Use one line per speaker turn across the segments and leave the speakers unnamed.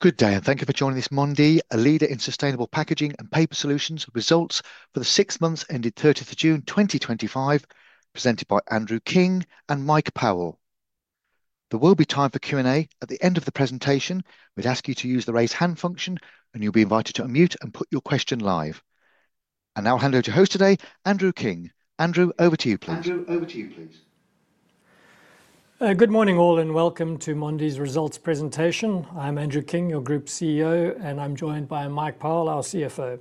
Good day and thank you for joining this Mondi, a leader in sustainable packaging and paper solutions. Results for the six months ended 30 June 2025 presented by Andrew King and Mike Powell. There will be time for Q&A at the end of the presentation. We'd ask you to use the raise hand function and you'll be invited to unmute and put your question live. Now I'll hand over to your host today, Andrew King. Andrew, over to you please. Andrew, over to you please.
Good morning all and welcome to Mondi's results presentation. I'm Andrew King, your Group CEO, and I'm joined by Mike Powell, our CFO.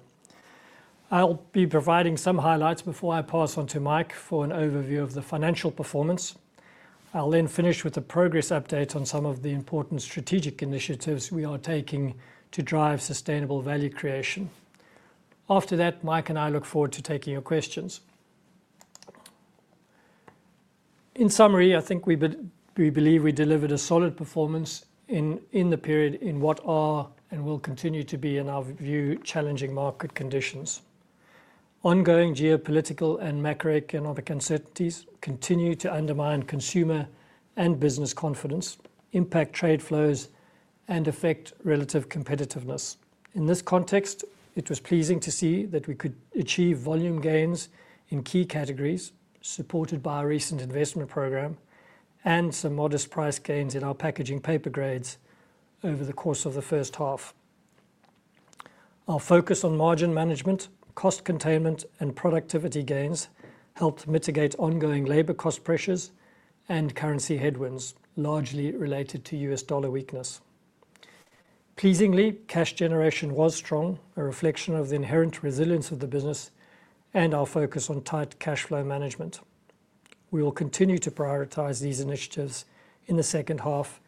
I'll be providing some highlights before I pass on to Mike for an overview of the financial performance. I'll then finish with a progress update on some of the important strategic initiatives we are taking to drive sustainable value creation. After that, Mike and I look forward to taking your questions. In summary, I think we believe we delivered a solid performance in the period in what are and will continue to be, in our view, challenging market conditions. Ongoing geopolitical and macroeconomic uncertainties continue to undermine consumer and business confidence, impact trade flows, and affect relative competitiveness. In this context, it was pleasing to see that we could achieve volume gains in key categories supported by our recent investment program and some modest price gains in our packaging paper grades over the course of the first half. Our focus on margin management, cost containment, and productivity gains helped mitigate ongoing labor cost pressures and currency headwinds largely related to U.S. dollar weakness. Pleasingly, cash generation was strong, a reflection of the inherent resilience of the business and our focus on tight cash flow management. We will continue to prioritize these initiatives in the second half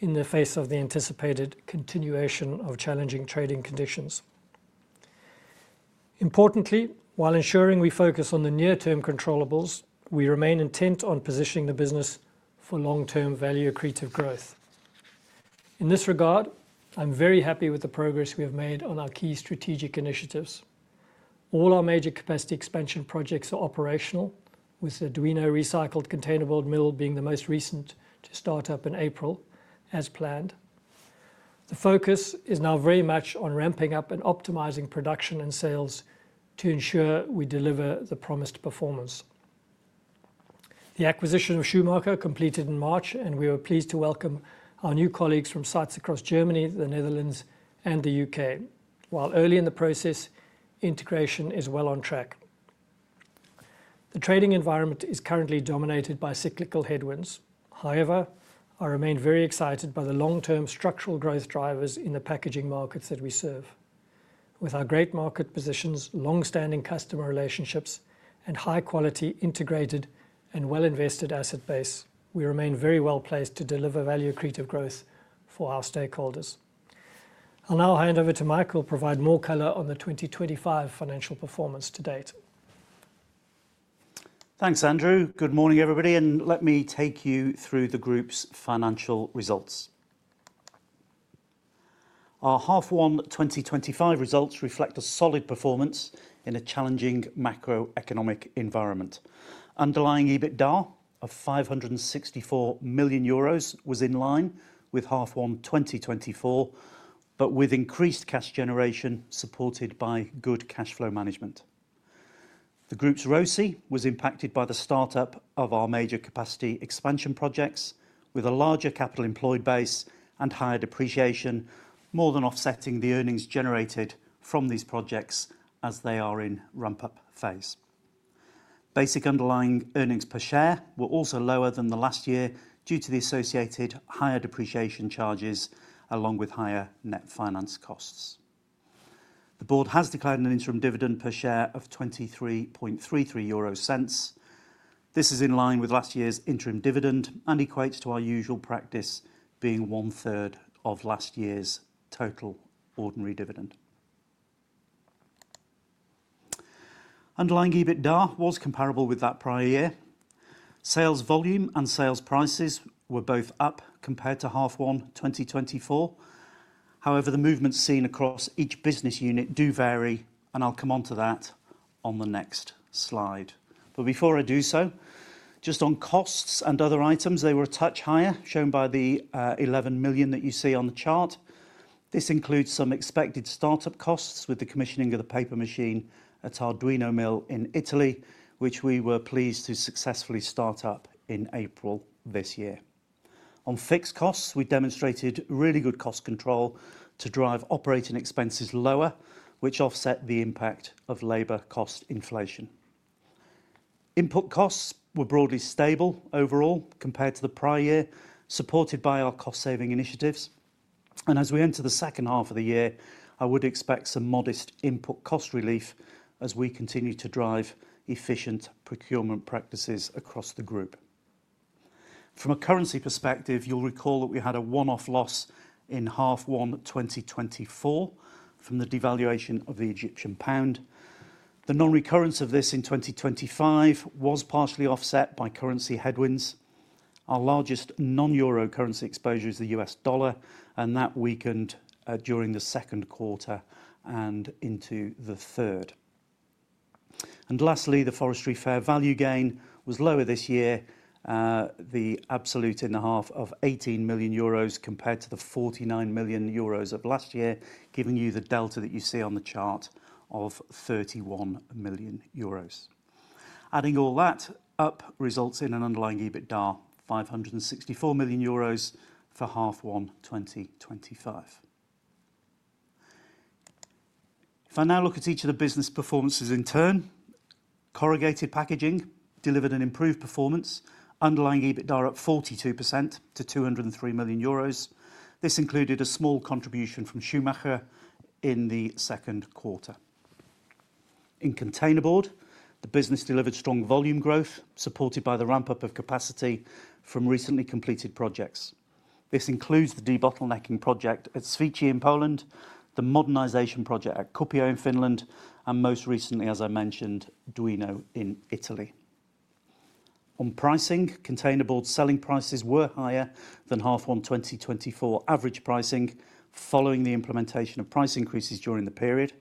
in the face of the anticipated continuation of challenging trading conditions. Importantly, while ensuring we focus on the near-term controllables, we remain intent on positioning the business for long-term value accretive growth. In this regard, I am very happy with the progress we have made on our key strategic initiatives. All our major capacity expansion projects are operational, with the Duino recycled containerboard mill being the most recent to start up in April as planned. The focus is now very much on ramping up and optimizing production and sales to ensure we deliver the promised performance. The acquisition of Schumacher completed in March, and we were pleased to welcome our new colleagues from sites across Germany, the Netherlands, and the U.K.. While early in the process, integration is well on track. The trading environment is currently dominated by cyclical headwinds. However, I remain very excited by the long-term structural growth drivers in the packaging markets that we serve. With our great market positions, long-standing customer relationships, and high-quality, integrated, and well-invested asset base, we remain very well placed to deliver value accretive growth for our stakeholders. I'll now hand over to Mike who'll provide more color on the 2025 financial performance to date.
Thanks, Andrew. Good morning, everybody, and let me take you through the Group's financial results. Our H1 2025 results reflect a solid performance in a challenging macroeconomic environment. Underlying EBITDA of 564 million euros was in line with H1 2024 but with increased cash generation supported by good cash flow management. The Group's ROCE was impacted by the startup of our major capacity expansion projects, with a larger capital employed base and higher depreciation, more than offsetting the earnings generated from these projects as they are in the ramp-up phase. Basic underlying earnings per share were also lower than last year due to the associated higher depreciation charges along with higher net finance costs. The Board has declared an interim dividend per share of 0.2333. This is in line with last year's interim dividend and equates to our usual practice, being one-third of last year's total ordinary dividend. Underlying EBITDA was comparable with that prior year. Sales volume and sales prices were both up compared to H1 2024. However, the movements seen across each business unit do vary, and I'll come on to that on the next slide. Before I do so, just on costs and other items, they were a touch higher, shown by the 11 million that you see on the chart. This includes some expected startup costs with the commissioning of the paper machine at Duino recycled containerboard mill in Italy, which we were pleased to successfully start up in April this year. On fixed costs, we demonstrated really good cost control to drive operating expenses lower, which offset the impact of labor cost inflation. Input costs were broadly stable overall compared to the prior year, supported by our cost-saving initiatives, and as we enter the second half of the year, I would expect some modest input cost relief as we continue to drive efficient procurement practices across the Group. From a currency perspective, you'll recall that we had a one-off loss in H1 2024 from the devaluation of the Egyptian pound. The non-recurrence of this in 2025 was partially offset by currency headwinds. Our largest non-euro currency exposure is the U.S. dollar, and that weakened during the second quarter and into the third. Lastly, the forestry fair value gain was lower this year, the absolute in the half of 18 million euros compared to the 49 million euros of last year, giving you the delta that you see on the chart of 31 million euros. Adding all that up results in an underlying EBITDA of 564 million euros for H1 2025. If I now look at each of the business performances in turn, corrugated packaging delivered an improved performance, underlying EBITDA up 42% to 203 million euros. This included a small contribution from Schumacher in the second quarter. In containerboard, the business delivered strong volume growth supported by the ramp-up of capacity from recently completed projects. This includes the debottlenecking project at Świecie in Poland, the modernization project at Kuopio in Finland, and most recently, as I mentioned, Duino in Italy. On pricing, containerboard selling prices were higher than the H1 2024 average pricing following the implementation of price increases during the period.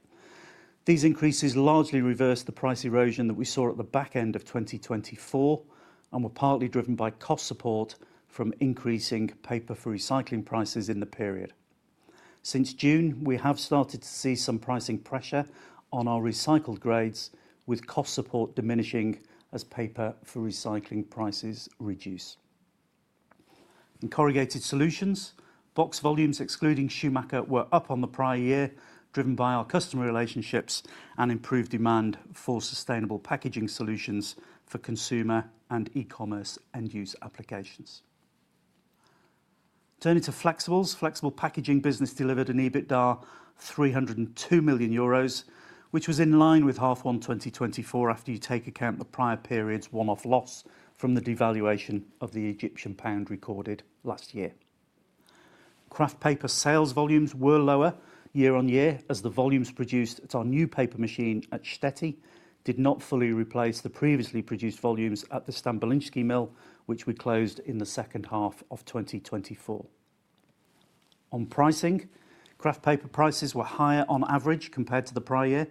These increases largely reversed the price erosion that we saw at the back end of 2024 and were partly driven by cost support from increasing paper for recycling prices. In the period since June, we have started to see some pricing pressure on our recycled grades with cost support diminishing as paper for recycling prices reduce. In corrugated solutions, box volumes excluding Schumacher were up on the prior year, driven by our customer relationships and improved demand for sustainable packaging solutions for consumer and e-commerce end-use applications. Turning to flexibles, the flexible packaging business delivered an EBITDA of 302 million euros, which was in line with H1 2024. After you take account of the prior period's one-off loss from the devaluation of the Egyptian pound recorded last year, kraft paper sales volumes were lower year on year as the volumes produced at our new paper machine at Štětí did not fully replace the previously produced volumes at the Stambolijski mill, which we closed in the second half of 2024. On pricing, kraft paper prices were higher on average compared to the prior year.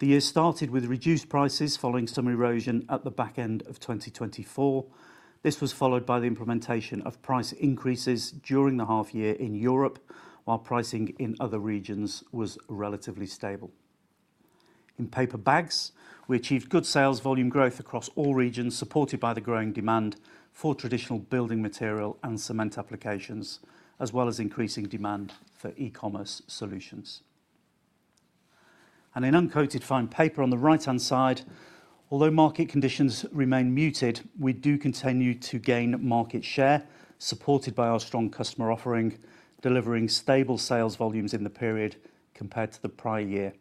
The year started with reduced prices following some erosion at the back end of 2024. This was followed by the implementation of price increases during the half year in Europe, while pricing in other regions was relatively stable. In paper bags we achieved good sales volume growth across all regions, supported by the growing demand for traditional building material and cement applications as well as increasing demand for e-commerce solutions. In uncoated fine paper on the right-hand side, although market conditions remain muted, we do continue to gain market share supported by our strong customer offering, delivering stable sales volumes in the period compared to the prior year.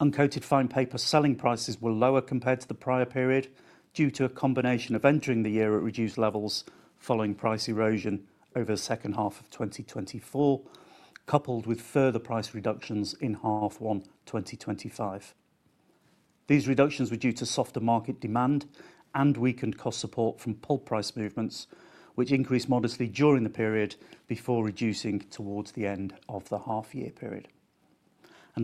Uncoated fine paper selling prices were lower compared to the prior period due to a combination of entering the year at reduced levels following price erosion over the second half of 2024, coupled with further price reductions in H1 2025. These reductions were due to softer market demand and weakened cost support from pulp price movements, which increased modestly during the period before reducing towards the end of the half-year period.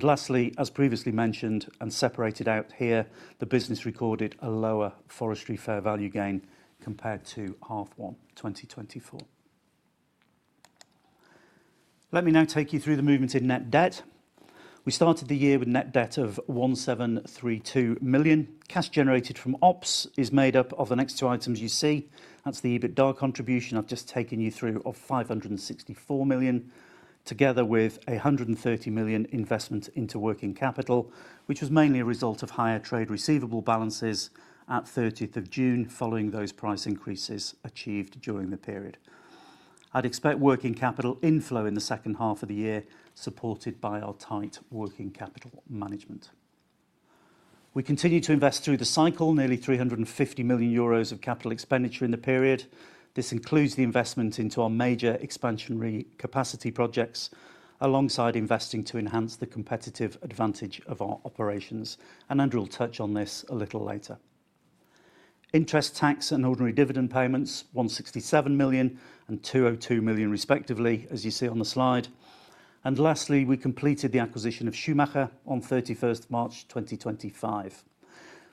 Lastly, as previously mentioned and separated out here, the business recorded a lower forestry fair value gain compared to H1 2024. Let me now take you through the movement in net debt. We started the year with net debt of 1,732 million. Cash generated from operations is made up of the next two items you see. That's the EBITDA contribution I've just taken you through of 564 million, together with 130 million investment into working capital, which was mainly a result of higher trade receivable balances at 30th of June. Following those price increases achieved during the period, I'd expect working capital inflow in the second half of the year, supported by our tight working capital management. We continue to invest through the cycle, nearly 350 million euros of capital expenditure in the period. This includes the investment into our major expansionary capacity projects alongside investing to enhance the competitive advantage of our operations. Andrew will touch on this a little later. Interest, tax, and ordinary dividend payments were £167 million and £202 million respectively, as you see on the slide. Lastly, we completed the acquisition of Schumacher on 31st March 2025.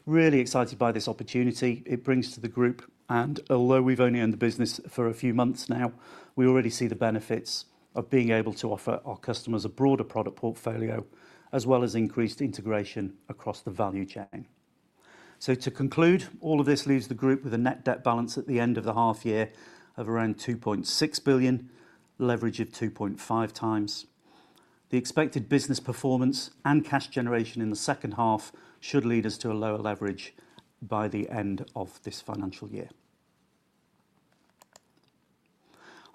Really excited by this opportunity it brings to the group. Although we've only owned the business for a few months now, we already see the benefits of being able to offer our customers a broader product portfolio as well as increased integration across the value chain. To conclude, all of this leaves the Group with a net debt balance at the end of the half year of around 2.6 billion, leverage of 2.5 times. The expected business performance and cash generation in the second half should lead us to a lower leverage by the end of this financial year.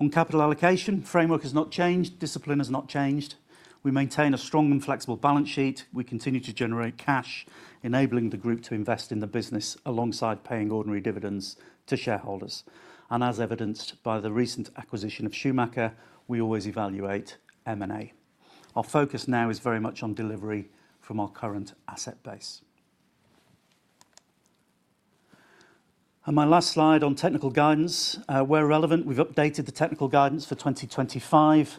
Our capital allocation framework has not changed, discipline has not changed. We maintain a strong and flexible balance sheet. We continue to generate cash, enabling the Group to invest in the business alongside paying ordinary dividends to shareholders. As evidenced by the recent acquisition of Schumacher, we always evaluate M&A. Our focus now is very much on delivery from our current asset base. My last slide on technical guidance, where relevant, we've updated the technical guidance for 2025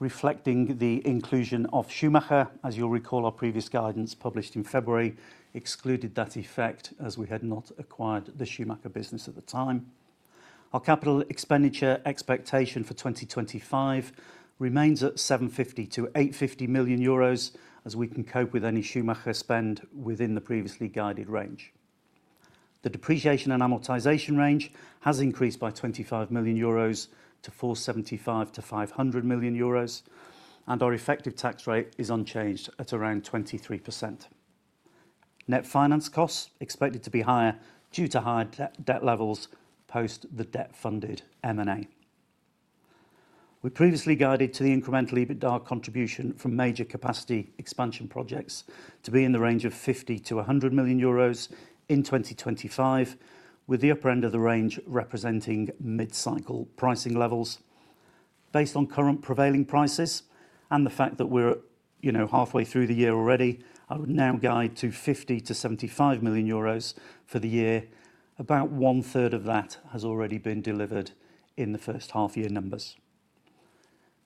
reflecting the inclusion of Schumacher. As you'll recall, our previous guidance published in February excluded that effect as we had not acquired the Schumacher business at the time. Our capital expenditure expectation for 2025 remains at 750 million-850 million euros as we can cope with any Schumacher spend within the previously guided range. The depreciation and amortization range has increased by 25 million euros to 475 million to 500 million euros and our effective tax rate is unchanged at around 23%. Net finance costs are expected to be higher due to higher debt levels post the debt-funded M&A. We previously guided to the incremental EBITDA contribution from major capacity expansion projects to be in the range of 50 million-100 million euros in 2025, with the upper end of the range representing mid-cycle pricing levels. Based on current prevailing prices and the fact that we're halfway through the year already, I would now guide to 50 million-75 million euros for the year. About one third of that has already been delivered in the first half year numbers.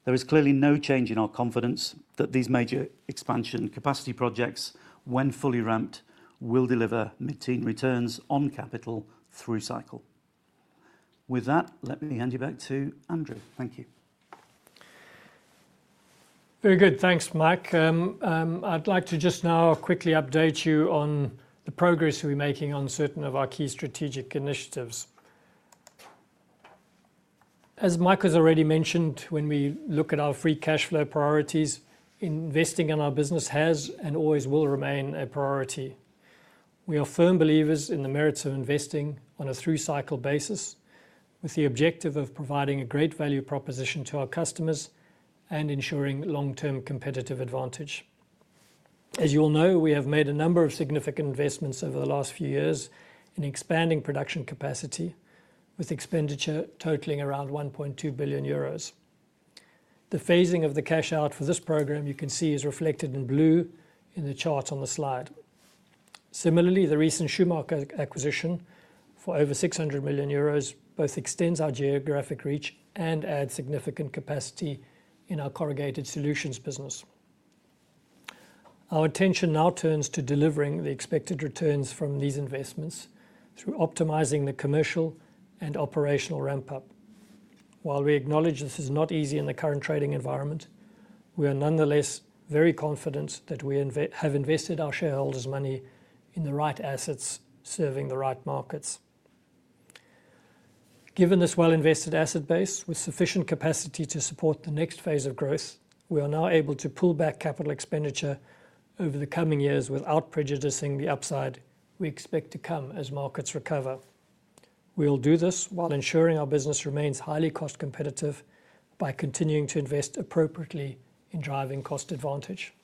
There is clearly no change in our confidence that these major expansion capacity projects, when fully ramped, will deliver mid-teen returns on capital through cycle. With that, let me hand you back to Andrew. Thank you.
Very good. Thanks, Mike. I'd like to just now quickly update you on the progress we're making on certain of our key strategic initiatives. As Mike has already mentioned, when we look at our free cash flow priorities, investing in our business has and always will remain a priority. We are firm believers in the merits of investing on a through cycle basis with the objective of providing a great value proposition to our customers and ensuring long term competitive advantage. As you all know, we have made a number of significant investments over the last few years expanding production capacity with expenditure totaling around 1.2 billion euros. The phasing of the cash out for this program, you can see, is reflected in blue in the chart on the slide. Similarly, the recent Schumacher acquisition for over 600 million euros both extends our geographic reach and adds significant capacity in our corrugated solutions business. Our attention now turns to delivering the expected returns from these investments through optimizing the commercial and operational ramp up. While we acknowledge this is not easy in the current trading environment, we are nonetheless very confident that we have invested our shareholders' money in the right assets serving the right markets. Given this well invested asset base with sufficient capacity to support the next phase of growth, we are now able to pull back capital expenditure over the coming years without prejudicing the upside we expect to come as markets recover. We will do this while ensuring our business remains highly cost competitive by continuing to invest appropriately in driving cost advantage.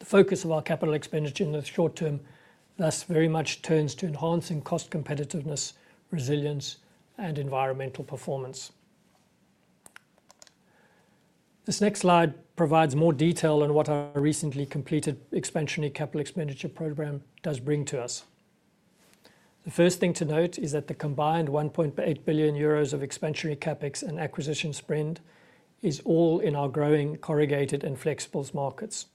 The focus of our capital expenditure in the short term thus very much turns to enhancing cost competitiveness, resilience, and environmental performance. This next slide provides more detail on what our recently completed expansionary capital expenditure program does bring to us. The first thing to note is that the combined 1.8 billion euros of expansionary CAPEX and acquisition sprint is all in our growing corrugated and flexibles markets,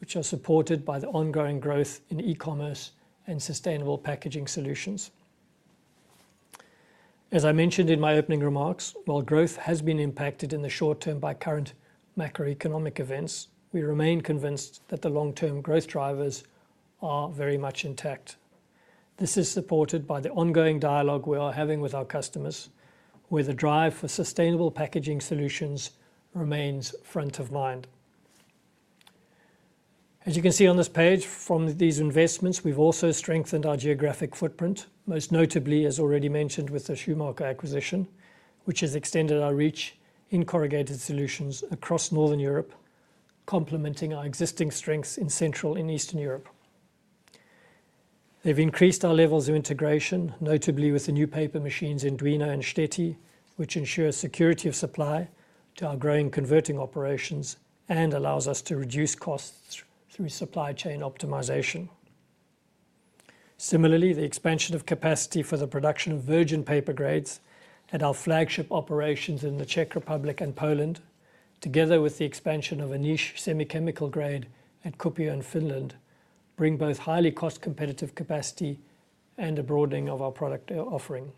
which are supported by the ongoing growth in e-commerce and sustainable packaging solutions. As I mentioned in my opening remarks, while growth has been impacted in the short term by current macroeconomic events, we remain convinced that the long term growth drivers are very much intact. This is supported by the ongoing dialogue we are having with our customers, where the drive for sustainable packaging solutions remains front of mind, as you can see on this page. From these investments, we've also strengthened our geographic footprint, most notably, as already mentioned, with the Schumacher acquisition, which has extended our reach in corrugated solutions across Northern Europe, complementing our existing strengths in Central and Eastern Europe. They've increased our levels of integration, notably with the new paper machines in Duino and Świecie, which ensure security of supply to our growing converting operations and allow us to reduce costs through supply chain optimization. Similarly, the expansion of capacity for the production of virgin paper grades at our flagship operations in the Czech Republic and Poland, together with the expansion of a niche semi-chemical grade at Kuopio in Finland, bring both highly cost-competitive capacity and a broadening of our product offering.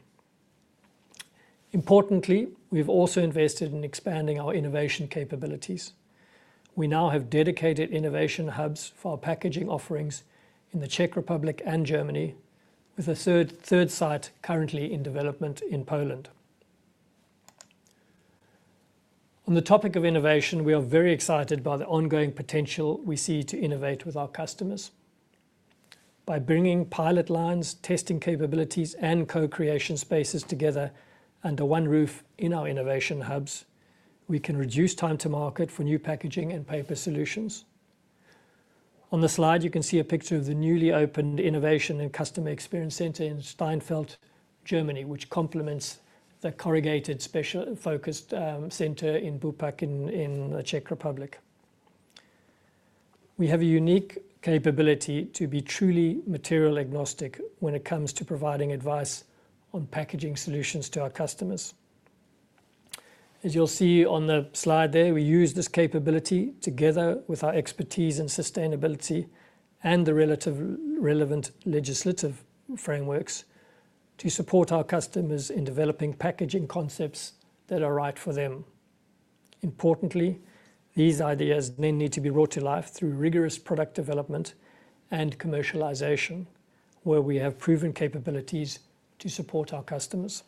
Importantly, we've also invested in expanding our innovation capabilities. We now have dedicated innovation hubs for our packaging offerings in the Czech Republic and Germany, with a third site currently in development in Poland. On the topic of innovation, we are very excited by the ongoing potential we see to innovate with our customers. By bringing pilot lines, testing capabilities, and co-creation spaces together under one roof in our innovation hubs, we can reduce time to market for new packaging and paper solutions. On the slide, you can see a picture of the newly opened Innovation and Customer Experience Center in Steinfeld, Germany, which complements the Corrugated Special Focused Center in Bupak in the Czech Republic. We have a unique capability to be truly material agnostic when it comes to providing advice and packaging solutions to our customers. As you'll see on the slide there, we use this capability together with our expertise in sustainability and the relevant legislative frameworks to support our customers in developing packaging concepts that are right for them. Importantly, these ideas then need to be brought to life through rigorous product development and commercialization, where we have proven capabilities to support our customers.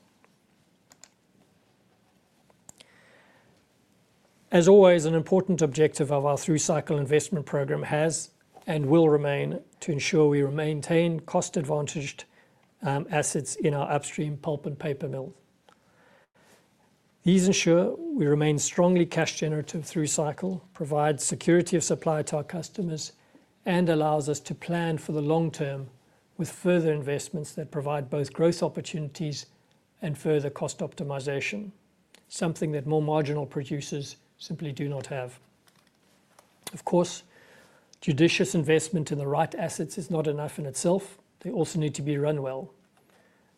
As always, an important objective of our through-cycle investment program has and will remain to ensure we remain cost-advantaged assets in our upstream pulp and paper mill. These ensure we remain strongly cash generative through cycle, provide security of supply to our customers, and allow us to plan for the long term with further investments that provide both growth opportunities and further cost optimization, something that more marginal producers simply do not have. Of course, judicious investment in the right assets is not enough in itself, they also need to be run well.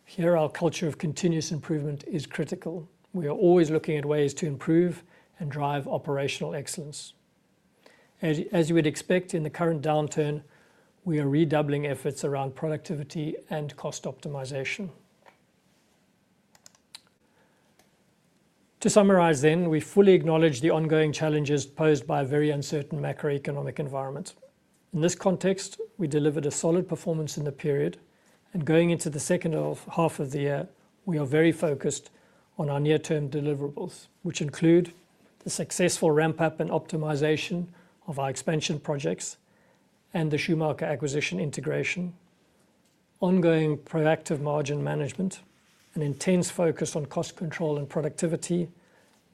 Here, our culture of continuous improvement is critical. We are always looking at ways to improve and drive operational excellence. As you would expect in the current downturn, we are redoubling efforts around productivity and cost optimization. To summarize then, we fully acknowledge the ongoing challenges posed by a very uncertain macroeconomic environment. In this context, we delivered a solid performance in the period, and going into the second half of the year, we are very focused on our near term deliverables, which include the successful ramp up and optimization of our expansion projects and the Schumacher acquisition integration, ongoing proactive margin management, an intense focus on cost control and productivity,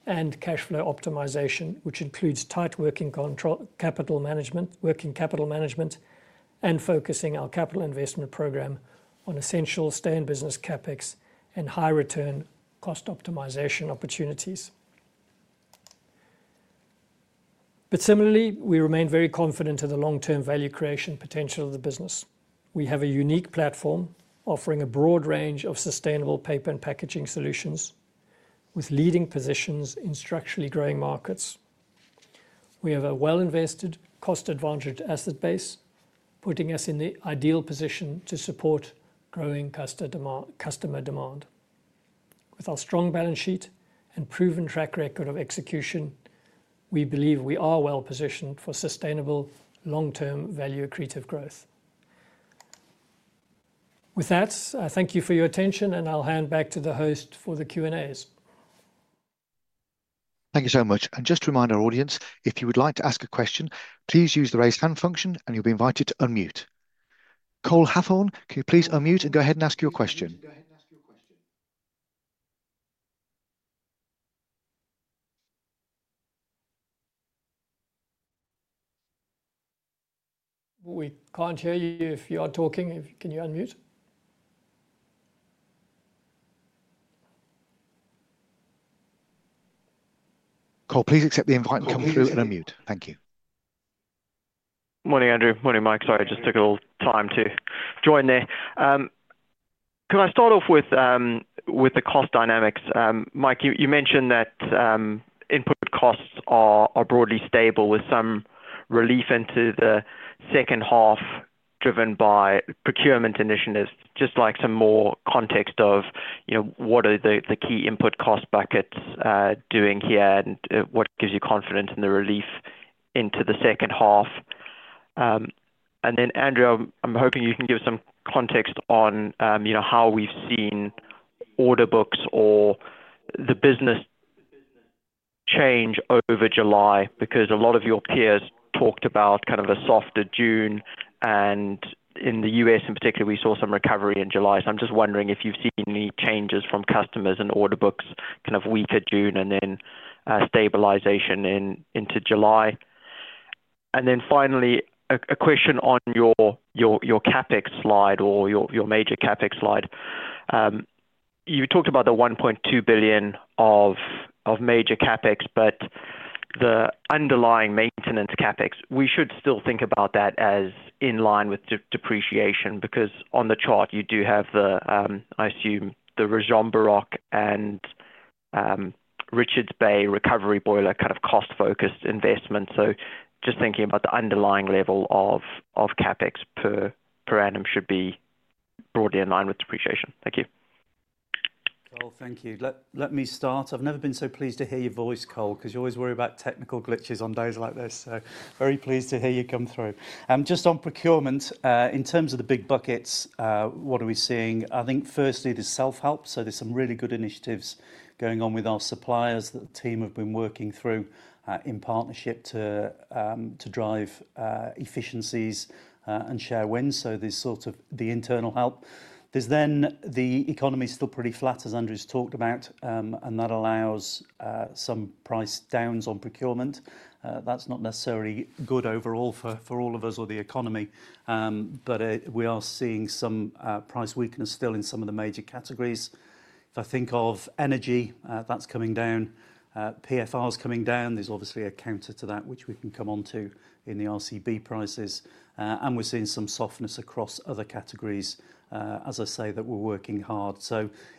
and cash flow optimization, which includes tight working capital management and focusing our capital investment program on essential stay in business CapEx and high return cost optimization opportunities. We remain very confident in the long term value creation potential of the business. We have a unique platform offering a broad range of sustainable paper and packaging solutions with leading positions in structurally growing markets. We have a well invested, cost advantaged asset base, putting us in the ideal position to support growing customer demand. With our strong balance sheet and proven track record of execution, we believe we are well positioned for sustainable long term value accretive growth. With that, thank you for your attention and I'll hand back to the host for the Q&As.
Thank you so much. Just to remind our audience, if you would like to ask a question, please use the raised hand function and you'll be invited to unmute. Cole Hathorn, can you please unmute and go ahead and ask your question?
We can't hear you if you are talking. Can you unmute?
Cole, please accept the invite and come through and unmute. Thank you.
Morning Andrew. Morning Mike. Sorry I just took a little time to join there. Can I start off with the cost dynamics? Mike, you mentioned that input costs are broadly stable with some relief into the second half driven by procurement initiatives. I would just like some more context of what are the key input cost buckets doing here and what gives you confidence in the relief into the second half. Andrea, I'm hoping you can give some context on how we've seen order books or the business change over July because a lot of your peers talked about kind of a softer June and in the U.S. in particular we saw some recovery in July. I'm just wondering if you've seen any changes from customers and order books, kind of weaker June and then stabilization into July. Finally, a question on your CapEx slide or your major CapEx slide. You talked about the 1.2 billion of major CapEx, but the underlying maintenance CapEx, we should still think about that as in line with depreciation because on the chart you do have the, I assume the Rajambaroq and Richards Bay recovery boiler kind of cost-focused investment. Just thinking about the underlying level of CapEx per annum should be broadly in line with depreciation. Thank you.
Thank you. Let me start. I've never been so pleased to hear your voice, Cole, because you always worry about technical glitches on days like this. Very pleased to hear you come through. Just on procurement in terms of the big buckets, what are we seeing? I think firstly there's self help, so there's some really good initiatives going on with our suppliers that the team have been working through in partnership to drive efficiencies and share wins. There's sort of the internal help. The economy is still pretty flat as Andrew's talked about and that allows some price downs on procurement that's not necessarily good overall for all of us or the economy. We are seeing some price weakness still in some of the major categories. If I think of energy, that's coming down, PFR is coming down, there's obviously a counter to that which we can come on to in the RCB prices and we're seeing some softness across other categories as I say that we're working hard.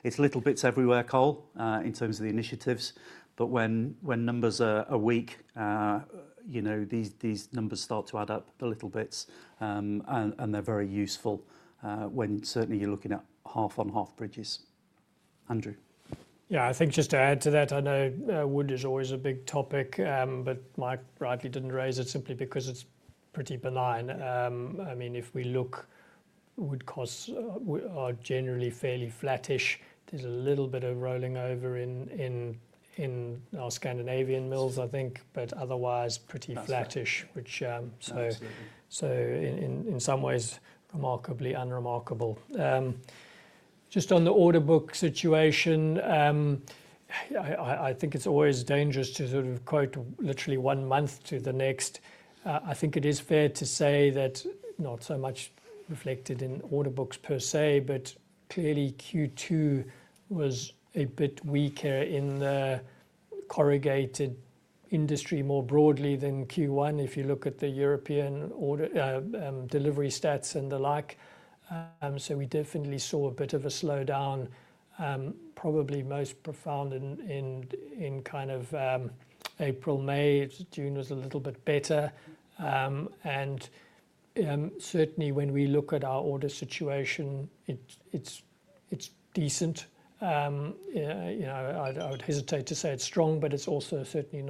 It's little bits everywhere, Cole, in terms of the initiatives. When numbers are weak, these numbers start to add up, the little bits, and they're very useful when certainly you're looking at half on half bridges. Andrew.
Yeah, I think just to add to that, I know wood is always a big topic, but Mike rightly didn't raise it simply because it's pretty benign. I mean, if we look, wood costs are generally fairly flattish. There's a little bit of rolling over in our Scandinavian mills, I think, but otherwise pretty flattish. In some ways, remarkably unremarkable. Just on the order book situation, I think it's always dangerous to sort of quote literally one month to the next. I think it is fair to say that not so much reflected in order books per se, but clearly Q2 was a bit weaker in the corrugated industry more broadly than Q1, if you look at the European delivery stats and the like. We definitely saw a bit of a slowdown, probably most profound in April and May. June was a little bit better. Certainly, when we look at our order situation, it's decent. I would hesitate to say it's strong, but it's also certainly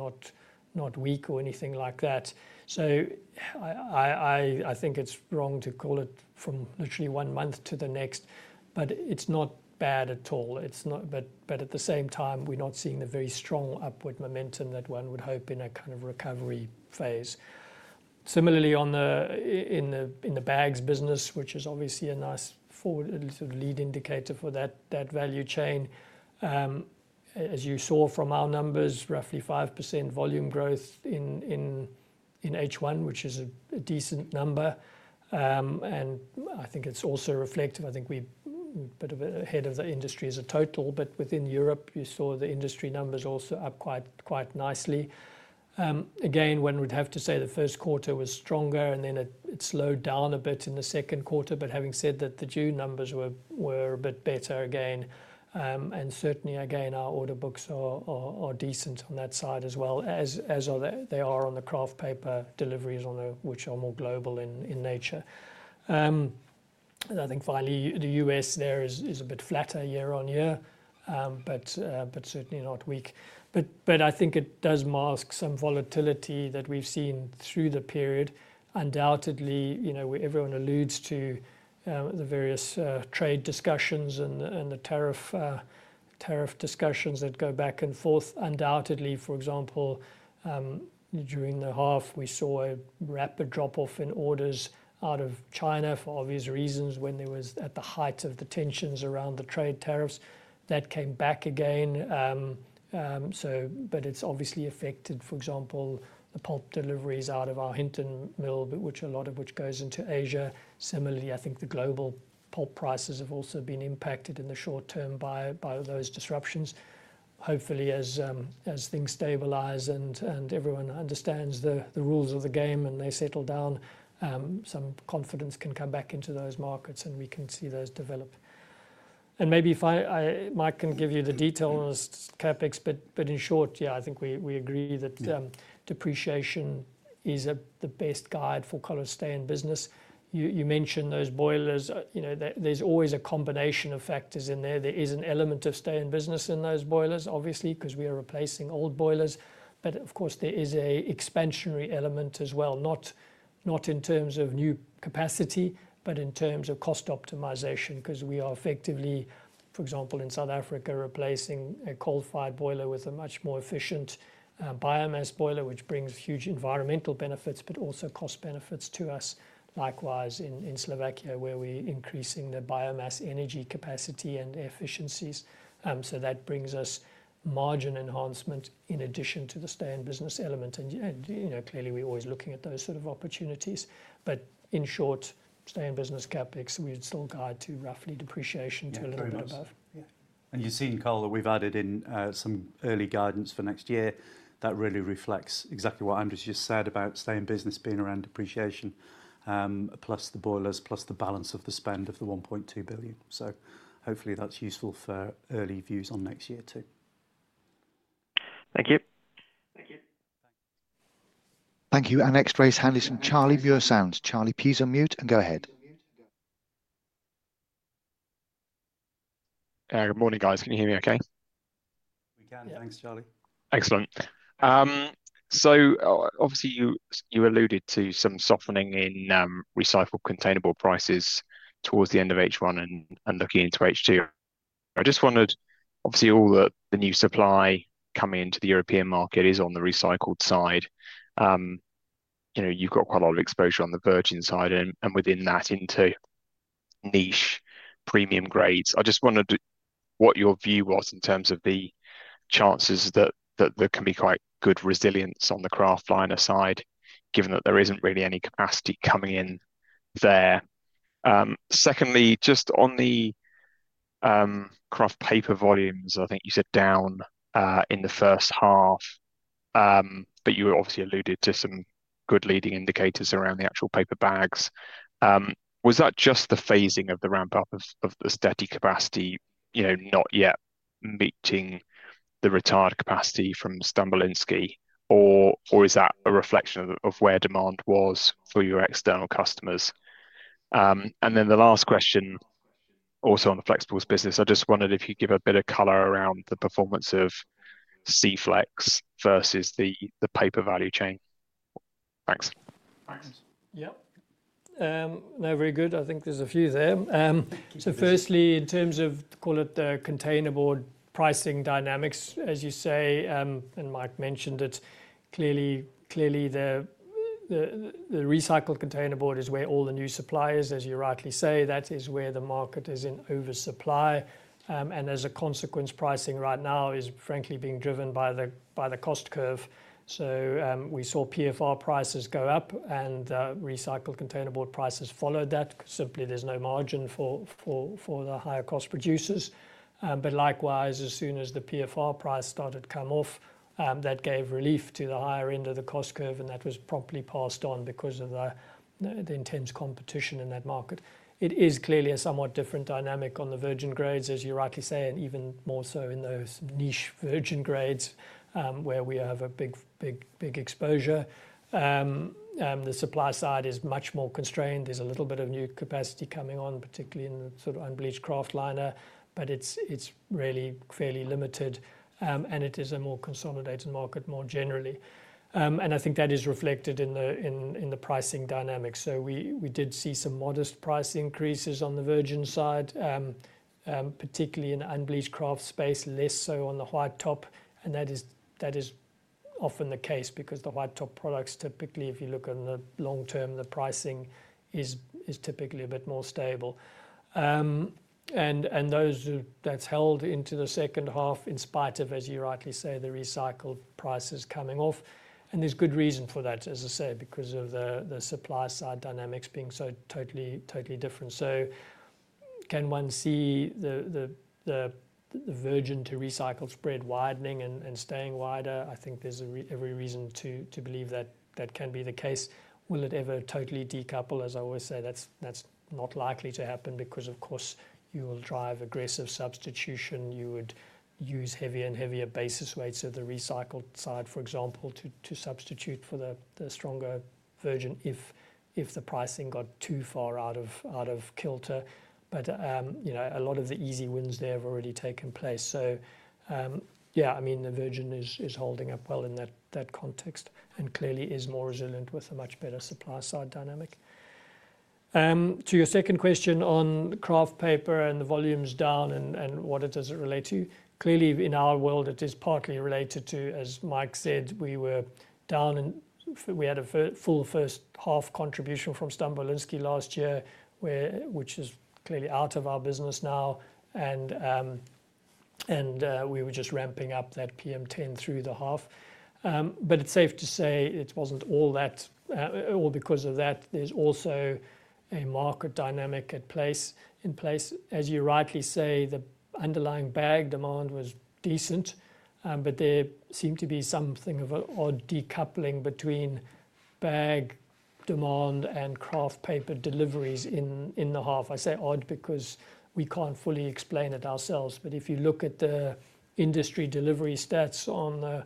not weak or anything like that. I think it's wrong to call it from literally one month to the next, but it's not bad at all. At the same time, we're not seeing the very strong upward momentum that one would hope in a kind of recovery phase. Similarly, in the bags business, which is obviously a nice forward sort of lead indicator for that value chain, as you saw from our numbers, roughly 5% volume growth in H1, which is a decent number. I think it's also reflective. I think we're ahead of the industry as a total, but within Europe you saw the industry numbers also up quite nicely. Again, one would have to say the first quarter was stronger and then it slowed down a bit in the second quarter. Having said that, the June numbers were a bit better again. Certainly, again, our order books are decent on that side as well as they are on the kraft paper deliveries, which are more global in nature. Finally, the U.S. there is a bit flatter year on year, but certainly not weak. I think it does mask some volatility that we've seen through the period. Undoubtedly, everyone alludes to the various trade discussions and the tariff discussions that go back and forth. Undoubtedly, for example, during the half we saw a rapid drop off in orders out of China for obvious reasons when there was at the height of the tensions around the trade tariffs. That came back again. It's obviously affected, for example, the pulp deliveries out of our Hinton mill, a lot of which goes into Asia. Similarly, I think the global pulp prices have also been impacted in the short term by those disruptions. Hopefully, as things stabilize and everyone understands the rules of the game and they settle down, some confidence can come back into those markets and we can see those develop. Maybe if Mike can give you the details, CapEx. In short, yeah, I think we agree that depreciation is the best guide for stay in business. You mentioned those boilers. There's always a combination of factors in there. There is an element of stay in business in those boilers obviously because we are replacing old boilers. Of course, there is an expansionary element as well, not in terms of new capacity but in terms of cost optimization because we are effectively, for example, in South Africa replacing a coal-fired boiler with a much more efficient biomass boiler, which brings huge environmental benefits but also cost benefits to us. Likewise, in Slovakia, where we are increasing the biomass energy capacity and efficiencies, that brings us margin enhancement in addition to the stay in business element. Clearly, we're always looking at those sort of opportunities. In short, stay in business CapEx, we'd still guide to roughly depreciation to a little.
Bit above, and you've seen, Cole, that we've added in some early guidance for next year that really reflects exactly what Andrew's just said about stay in business being around depreciation plus the boilers plus the balance of the spend of the 1.2 billion. Hopefully that's useful for early views on next year too.
Thank you. Our next raised hand is from Charlie Muir-Sands. Charlie, please unmute and go ahead.
Good morning, guys. Can you hear me? Okay,
We can. Thanks Charlie.
Excellent. Obviously, you alluded to some softening in recycled containerboard prices towards the end of H1 and looking into H2. I just wanted, obviously all the new supply coming into the European market is on the recycled side. You know you've got quite a lot of exposure on the virgin side and within that into niche premium grades. I just wondered what your view was in terms of the chances that there can be quite good resilience on the kraft liner side given that there isn't really any capacity coming in there. Secondly, just on the kraft paper volumes, I think you said down in the first half but you obviously alluded to some good leading indicators around the actual paper bags. Was that just the phasing of the ramp up of the steady capacity not yet meeting the retired capacity from Stambolinski or is that a reflection of where demand was for your external customers? The last question, also on the flexibles business, I just wondered if you could give a bit of color around the performance of C Flex versus the paper value chain. Thanks.
Very good. I think there's a few there. Firstly, in terms of the containerboard pricing dynamics, as you say and Mike mentioned, clearly the recycled containerboard is where all the new supply is. As you rightly say, that is where the market is in oversupply and as a consequence, pricing right now is frankly being driven by the cost curve. We saw PFR prices go up and recycled containerboard prices followed that simply. There's no margin for the higher cost producers. Likewise, as soon as the PFR price started to come off, that gave relief to the higher end of the cost curve and that was promptly passed on because of the intense competition in that market. It is clearly a somewhat different dynamic on the virgin grades, as you rightly say, and even more so in those niche virgin grades where we have a big, big exposure. The supply side is much more constrained. There's a little bit of new capacity coming on, particularly in the sort of unbleached kraft liner, but it's really fairly limited and it is a more consolidated market more generally. I think that is reflected in the pricing dynamics. We did see some modest price increases on the virgin side, particularly in unbleached kraft space, less so on the white top. That is often the case because the white top products typically, if you look in the long term, the pricing is typically a bit more stable and that's held into the second half in spite of, as you rightly say, the recycled prices coming off. There's good reason for that, as I say, because of the supply side dynamics being so totally different. Can one see the virgin to recycled spread widening and staying wider? I think there's every reason to believe that that can be the case. Will it ever totally decouple? As I always say, that's not likely to happen because of course you will drive aggressive substitution. You would use heavier and heavier basis weights of the recycled side, for example, to substitute for the stronger virgin if the pricing got too far out of kilter. A lot of the easy wins there have already taken place. The virgin is holding up well in that context and clearly is more resilient with a much better supply side dynamic. To your second question on kraft paper and the volumes down and what does it relate to? Clearly in our world it is partly related to, as Mike said, we were down and we had a full first half contribution from Stambolinski last year, which is clearly out of our business now. We were just ramping up that PM 10 through the half. It's safe to say it wasn't all that. All because of that there's also a market dynamic in place. As you rightly say, the underlying bag demand was decent, but there seemed to be something of an odd decoupling between bag demand and kraft paper deliveries in the half. I say odd because we can't fully explain it ourselves. If you look at the industry delivery stats on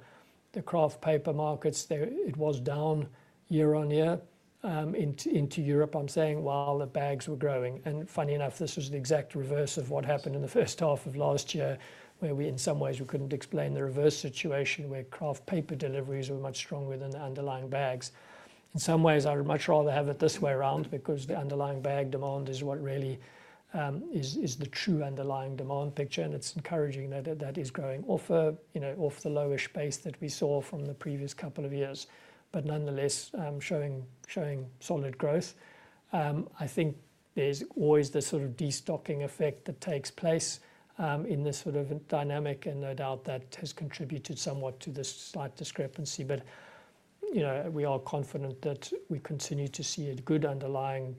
the kraft paper markets, it was down year on year into Europe, I'm saying, while the bags were growing. Funny enough, this was the exact reverse of what happened in the first half of last year where we, in some ways, couldn't explain the reverse situation where kraft paper deliveries were much stronger than the underlying bags. In some ways I would much rather have it this way around because the underlying bag demand is what really is the true underlying demand picture. It's encouraging that that is growing off the lowish pace that we saw from the previous couple of years but nonetheless showing solid growth. I think there's always this sort of destocking effect that takes place in this sort of dynamic and no doubt that has contributed somewhat to this slight discrepancy. We are confident that we continue to see a good underlying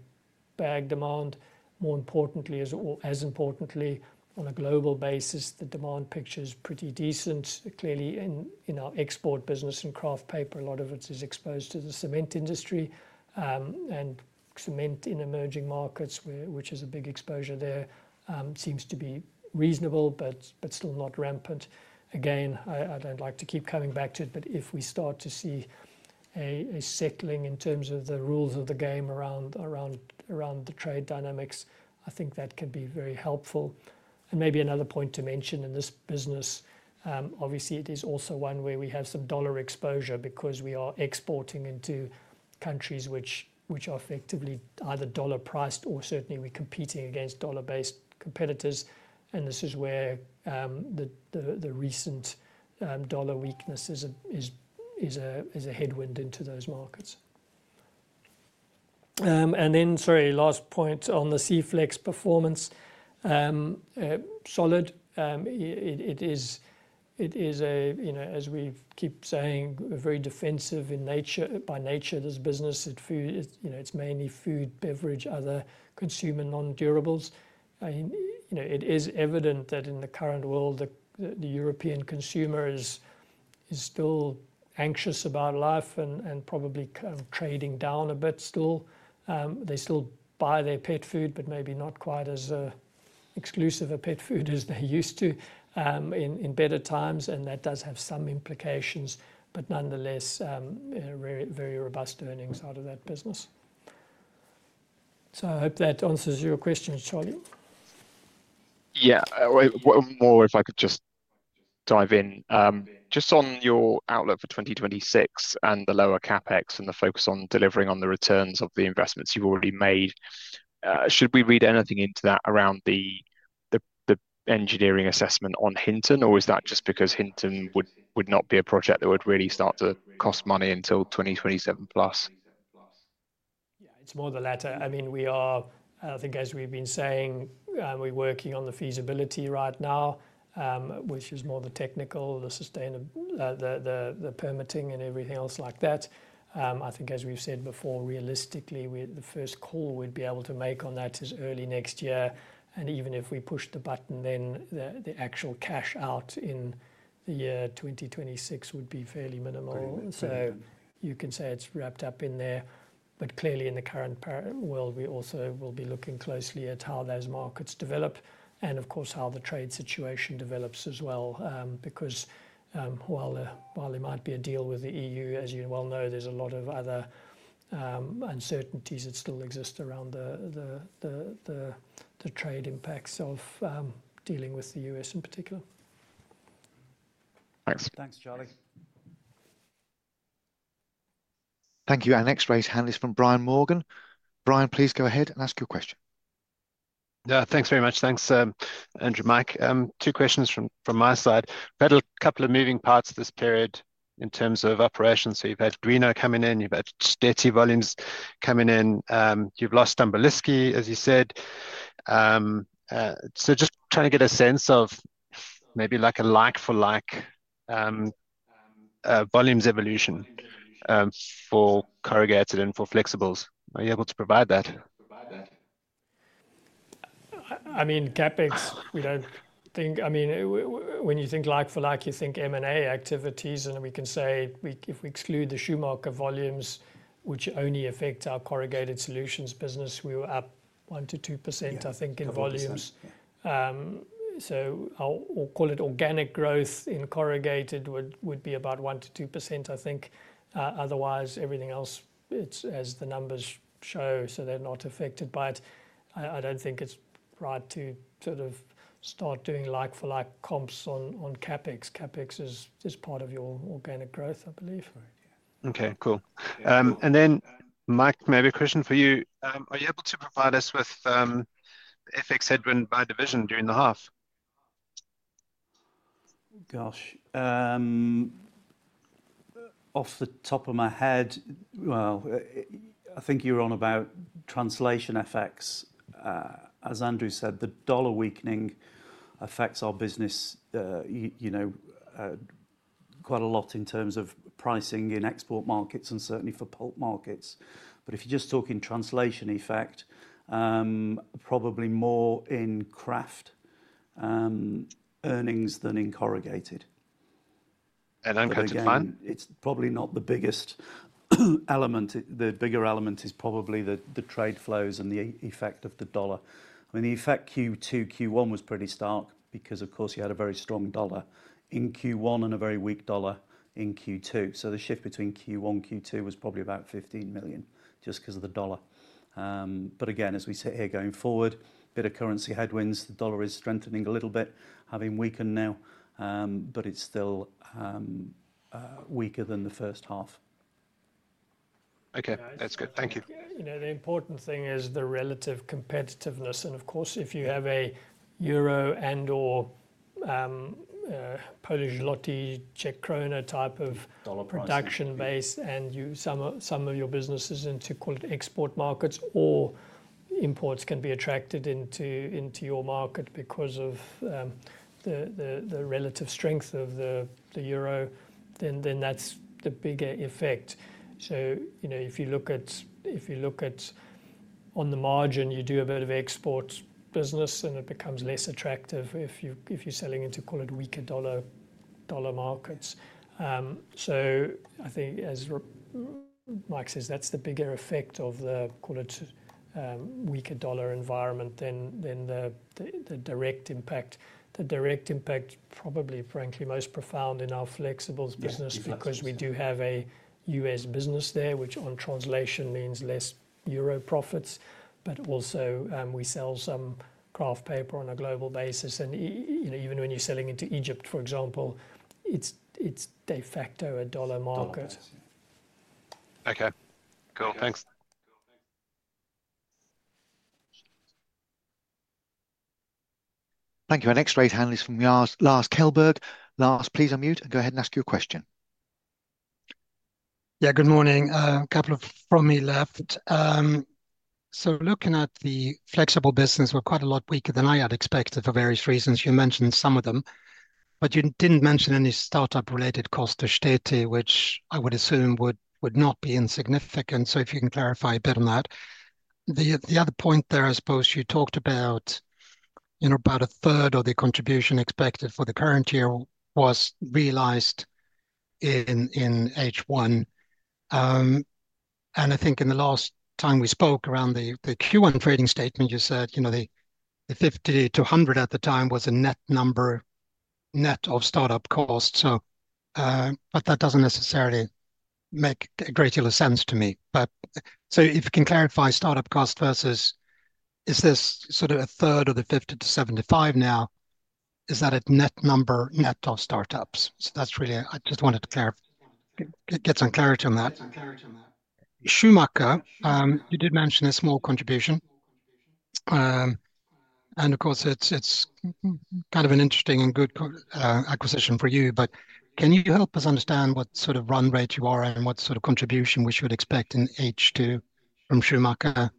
bag demand. More importantly, as, as importantly on a global basis, the demand picture is pretty decent. Clearly in our export business and kraft paper, a lot of it is exposed to the cement industry and cement in emerging markets, which is a big exposure. There seems to be reasonable but still not rampant. I don't like to keep coming back to it, but if we start to see a settling in terms of the rules of the game around the trade dynamics, I think that can be very helpful and maybe another point to mention in this business. Obviously it is also one where we have some dollar exposure because we are exporting into countries which are effectively either dollar priced or certainly we're competing against dollar based competitors. This is where the recent dollar weakness is a headwind into those markets. Sorry, last point on the C Flex performance. Solid. It is, you know, as we keep saying, very defensive in nature. By nature this business, it's mainly food, beverage, other consumer non-durables. It is evident that in the current world the European consumer is still anxious about life and probably trading down a bit. They still buy their pet food, but maybe not quite as exclusive a pet food as they used to in better times, and that does have some implications, but nonetheless very robust earnings out of that business. I hope that answers your question, Charlie.
If I could just dive in on your outlook for 2026 and the lower CAPEX and the focus on delivering on the returns of the investments you've already made. Should we read anything into that around the engineering assessment on Hinton, or is that just because Hinton would not be a project that would really start to cost money until 2027 plus?
Yeah, it's more the latter. I mean we are, I think as we've been saying, we're working on the feasibility right now, which is more the technical, the sustainable, the permitting, and everything else like that. I think as we've said before, realistically the first call we'd be able to make on that is early next year. Even if we push the button then, the actual cash out in the year 2026 would be fairly minimal. You can say it's wrapped up in there. Clearly, in the current world we also will be looking closely at how those markets develop and of course how the trade situation develops as well. While there might be a deal with the EU, as you well know, there's a lot of other uncertainties that still exist around the trade impacts of dealing with the U.S. in particular.
Thanks.
Thanks Charlie.
Thank you. Our next raised hand is from Brian Morgan. Brian, please go ahead and ask your question.
Thanks very much. Thanks, Andrew. Mike, two questions from my side. There are a couple of moving parts this period in terms of operations. You've had Duino coming in, you've had Steti volumes coming in, you've lost Stambolijski as you said. I'm just trying to get a sense of maybe like a like-for-like volumes evolution for corrugated and for flexibles. Are you able to provide that?
CapEx we don't think, when you think like for like you think M&A activities and we can say we, if we exclude the Schumacher volumes which only affect our corrugated solutions business, we were up 1%-2% in volumes. I'll call it organic growth in corrugated would be about 1%-2%. Otherwise everything else, it's as the numbers show, so they're not affected by it. I don't think it's right to sort of start doing like for like comps on CapEx. CapEx is part of your organic growth, I believe.
Right? Okay, cool. Mike, maybe a question for you. Are you able to provide us with FX headwind by division during the half?
Gosh. Off the top of my head, I think you're on about translation effects. As Andrew said, the dollar weakening affects our business quite a lot in terms of pricing in export markets and certainly for pulp markets. If you're just talking translation effect, probably more in Kraft earnings than in Corrugated. It's probably not the biggest element. The bigger element is probably the trade flows and the effect of the dollar. The effect Q2, Q1 was pretty stark because of course you had a very strong dollar in Q1 and a very weak dollar in Q2. The shift between Q1 and Q2 was probably about 15 million just because of the dollar. Again, as we sit here going forward, bit of currency headwinds. The dollar is strengthening a little bit having weakened now, but it's still weaker than the first half.
Okay, that's good. Thank you.
The important thing is the relative competitive, and of course if you have a euro and or Polish zloty, Czech krona type of dollar price production base and you send some of your businesses into, call it, export markets or imports can be attracted into your market because of the relative strength of the euro, then that's the bigger effect. If you look at, on the margin, you do a bit of export business and it becomes less attractive if you're selling into, call it, weaker dollar markets. I think as Mike says, that's the bigger effect of the, call it, weaker dollar environment than the direct impact. The direct impact probably, frankly, most profound in our flexibles business because we do have a U.S. business there, which on translation means less euro profits. Also, we sell some Kraft paper on a global basis, and even when you're selling into Egypt, for example, it's de facto a dollar market.
Okay, cool. Thank you.
Thank you. Our next great hand is from Lars F. Kjellberg. Lars, please unmute and go ahead and ask your question.
Yeah, good morning. A couple from me left. Looking at the flexible business, were quite a lot weaker than I had expected for various reasons. You mentioned some of them, but you didn't mention any startup related cost, especially which I would assume would not be insignificant. If you can clarify a bit on that. The other point there, I suppose, you talked about, you know, about a third of the contribution expected for the current year was realized in H1, and I think the last time we spoke around the Q1 trading statement, you said, you know, the 50 million-100 million at the time was a net number, net of startup cost. That doesn't necessarily make a great deal of sense to me. If you can clarify startup cost versus, is this sort of a third of the 50 million-75 million now, is that a net number, net of startups? I just wanted to get some clarity on that. Schumacher, you did mention a small contribution, and of course it's kind of an interesting and good acquisition for you. Can you help us understand what sort of run rate you are and what sort of contribution we should expect in H2 from Schumacher?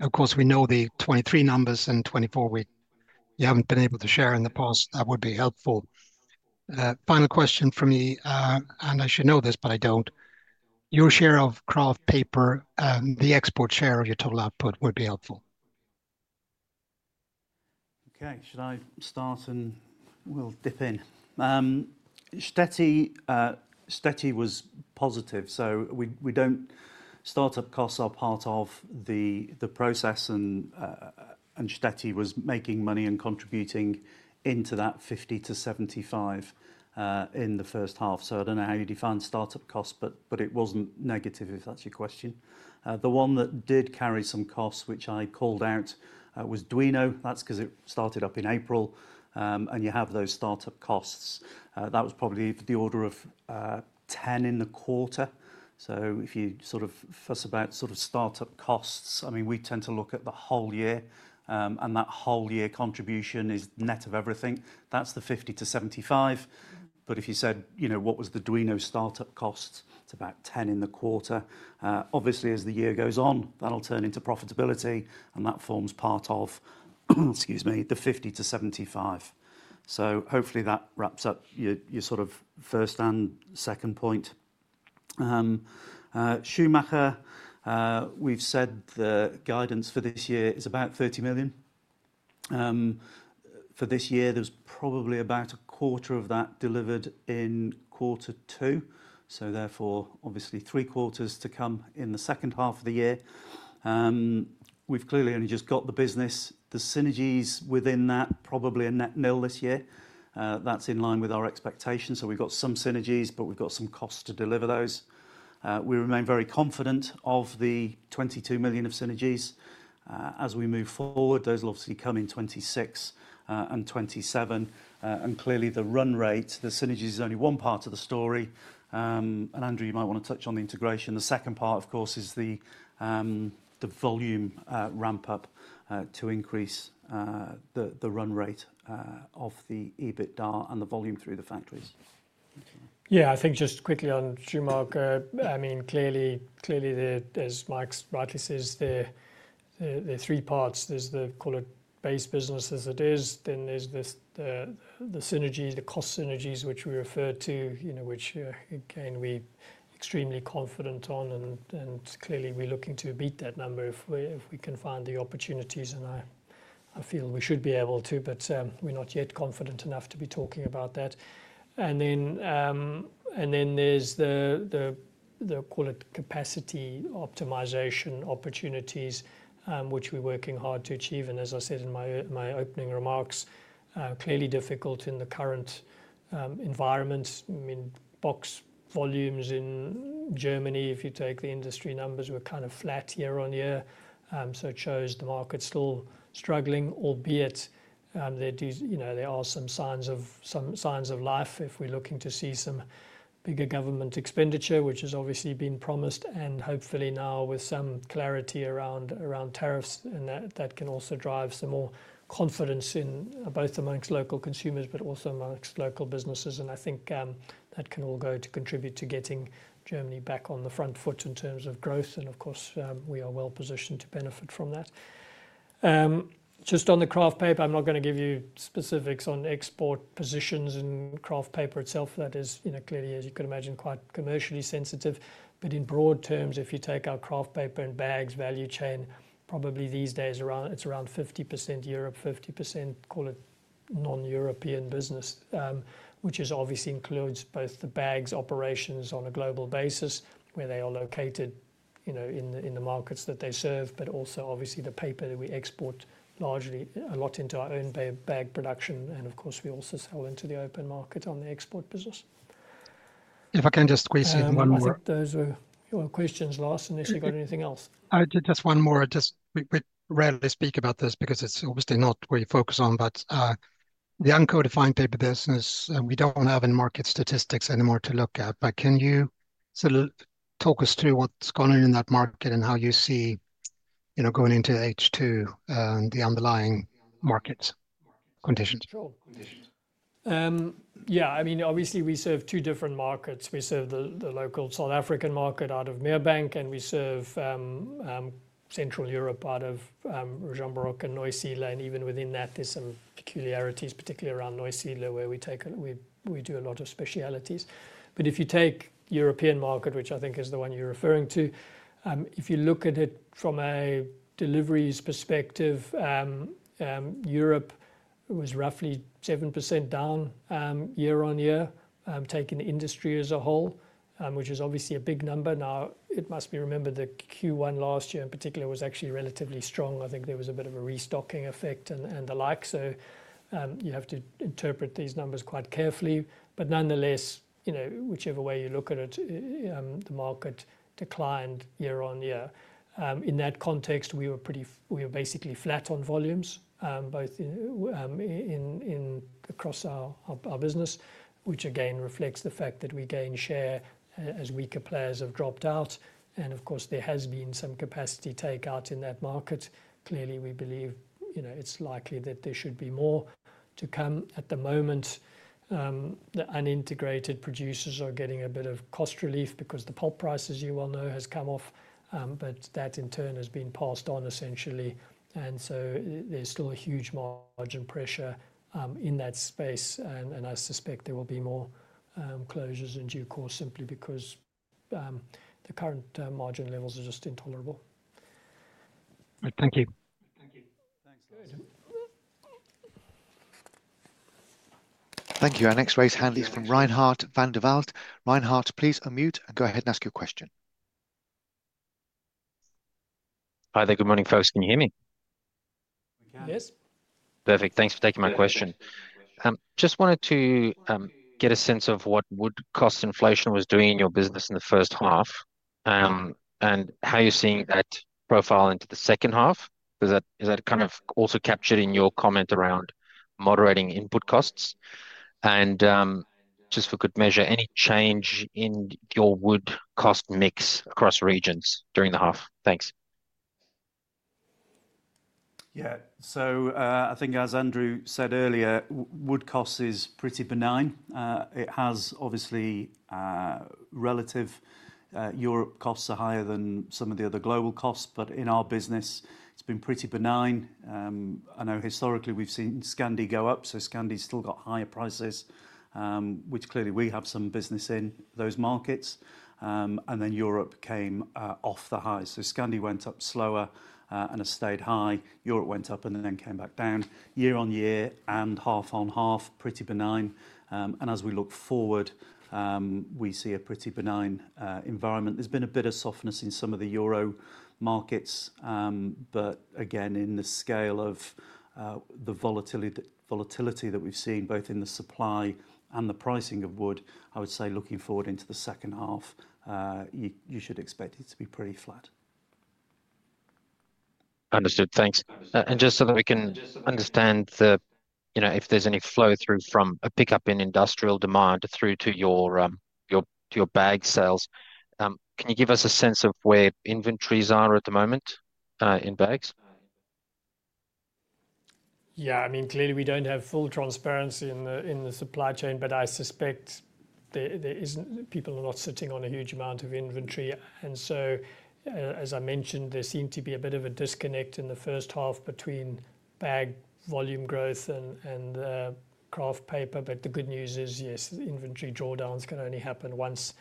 Of course, we know the 2023 numbers, and 2024 we haven't been able to share in the past. That would be helpful. Final question for me, and I should know this, but I don't. Your share of Kraft paper, the export share of your total output, would be helpful.
Okay, should I start and we'll dip in. Stetti was positive, so we don't. Startup costs are part of the process and Stetti was making money and contributing into that 50 million-75 million in the first half. I don't know how you define startup costs, but it wasn't negative, if that's your question. The one that did carry some costs, which I called out, was Duino. That's because it started up in April and you have those startup costs that was probably the order of 10 million in the quarter. If you sort of fuss about sort of startup costs, we tend to look at the whole year and that whole year contribution is net of everything. That's the 50 million-75 million. If you said, you know, what was the Duino startup cost, it's about 10 million in the quarter. Obviously, as the year goes on, that'll turn into profitability and that forms part of the 50 million-75 million. Hopefully that wraps up your sort of first and second point. Schumacher. We've said the guidance for this year is about 30 million for this year. There's probably about a quarter of that delivered in quarter two. Therefore, obviously three quarters to come in the second half of the year. We've clearly only just got the business, the synergies within that probably a net nil this year. That's in line with our expectations. We've got some synergies, but we've got some costs to deliver those. We remain very confident of the 22 million of synergies as we move forward. Those will obviously come in 2026 and 2027. Clearly the run rate, the synergies is only one part of the story. Andrew, you might want to touch on the integration. The second part, of course, is the volume ramp up to increase the run rate of the EBITDA and the volume through the factories.
Yeah, I think just quickly on Schumacher. Clearly, as Mike rightly says, there are three parts. There's the, call it, base business as it is. Then there's the synergies, the cost synergies which we referred to, which again we're extremely confident on. Clearly we're looking to beat that number if we can find the opportunities. I feel we should be able to, but we're not yet confident enough to be talking about that. Then there's the, call it, capacity optimization opportunities which we're working hard to achieve. As I said in my opening remarks, clearly difficult in the current environment. Box volumes in Germany, if you take the industry numbers, were kind of flat year on year. It shows the market is still struggling, albeit there are some signs of life. We're looking to see some bigger government expenditure which has obviously been promised, and hopefully now with some clarity around tariffs, that can also drive some more confidence both amongst local consumers and amongst local businesses. I think that can all go to contribute to getting Germany back on the front foot in terms of growth. Of course, we are well positioned to benefit from that. Just on the kraft paper, I'm not going to give you some specifics on export positions and kraft paper itself. That is, you know, clearly, as you can imagine, quite commercially sensitive. In broad terms, if you take our kraft paper and bags value chain, probably these days it's around 50% Europe, 50% non-European business, which obviously includes both the bags operations on a global basis, where they are located in the markets that they serve. Also, the paper that we export, largely a lot into our own bag production, and of course we also sell into the open market on the export business.
If I can just.
Those were your questions last. Unless you've got anything else.
Just one more. We rarely speak about this because it's obviously not where you focus, but the uncoated fine paper business we don't have in market statistics anymore to look at. Can you sort of talk us through what's going on in that market and how you see, you know, going into H2 and the underlying market conditions?
Yeah, I mean obviously we serve two different markets. We serve the local South African market out of Mirbank and we serve Central Europe out of Jean Baroque and Neusila. Even within that there's some peculiarities, particularly around Neusila where we do a lot of specialties. If you take the European market, which I think is the one you're referring to, if you look at it from a deliveries perspective, Europe was roughly 7% down year on year, taking the industry as a whole, which is obviously a big number. It must be remembered that Q1 last year in particular was actually relatively strong. I think there was a bit of a restocking effect and the like, so you have to interpret these numbers quite carefully. Nonetheless, whichever way you look at it, the market declined year on year. In that context, we were basically flat on volumes both across our business, which again reflects the fact that we gain share as weaker players have dropped out. Of course, there has been some capacity takeout in that market. Clearly we believe it's likely that there should be more to come. At the moment, the unintegrated producers are getting a bit of cost relief because the pulp price, as you well know, has come off. That in turn has been passed on essentially, and so there's still a huge margin pressure in that space. I suspect there will be more closures in due course simply because the current margin levels are just intolerable.
Thank you. Thank you.
Thank you. Our next raised hand is from Reinhardt van der Walt. Reinhardt, please unmute and go ahead and ask your question.
Hi there. Good morning, folks. Can you hear me?
Yes.
Perfect. Thanks for taking my question. Just wanted to get a sense of what cost inflation was doing in your business in the first half and how you're seeing that profile into the second half. Is that kind of also captured in your comment around moderating input costs, and just for good measure, any change in your wood cost mix across regions during the half? Thanks.
Yeah, so I think, as Andrew said earlier, wood costs is pretty benign. It has all obviously relative Europe costs are higher than some of the other global costs, but in our business it's been pretty benign. I know historically we've seen Scandi go up, so Scandi's still got higher prices, which clearly we have some business in those markets. Europe came off the highs, so Scandi went up slower and has stayed high. Europe went up and then came back down year on year and half on half. Pretty benign. As we look forward, we see a pretty benign environment. There's been a bit of softness in some of the Euro markets, but again, in the scale of the volatility that we've seen both in the supply and the pricing of wood, I would say looking forward into the second half, you should expect it to be pretty flat.
Understood. Thanks. Just so that we can understand if there's any flow through from a pickup in industrial demand through to your bag sales, can you give us a sense of where inventories are at the moment in bags?
Yeah, I mean clearly we don't have full transparency in the supply chain, but I suspect people are not sitting on a huge amount of inventory. As I mentioned, there seemed to be a bit of a disconnect in the first half between bag volume growth and kraft paper. The good news is yes, inventory drawdowns can only happen once.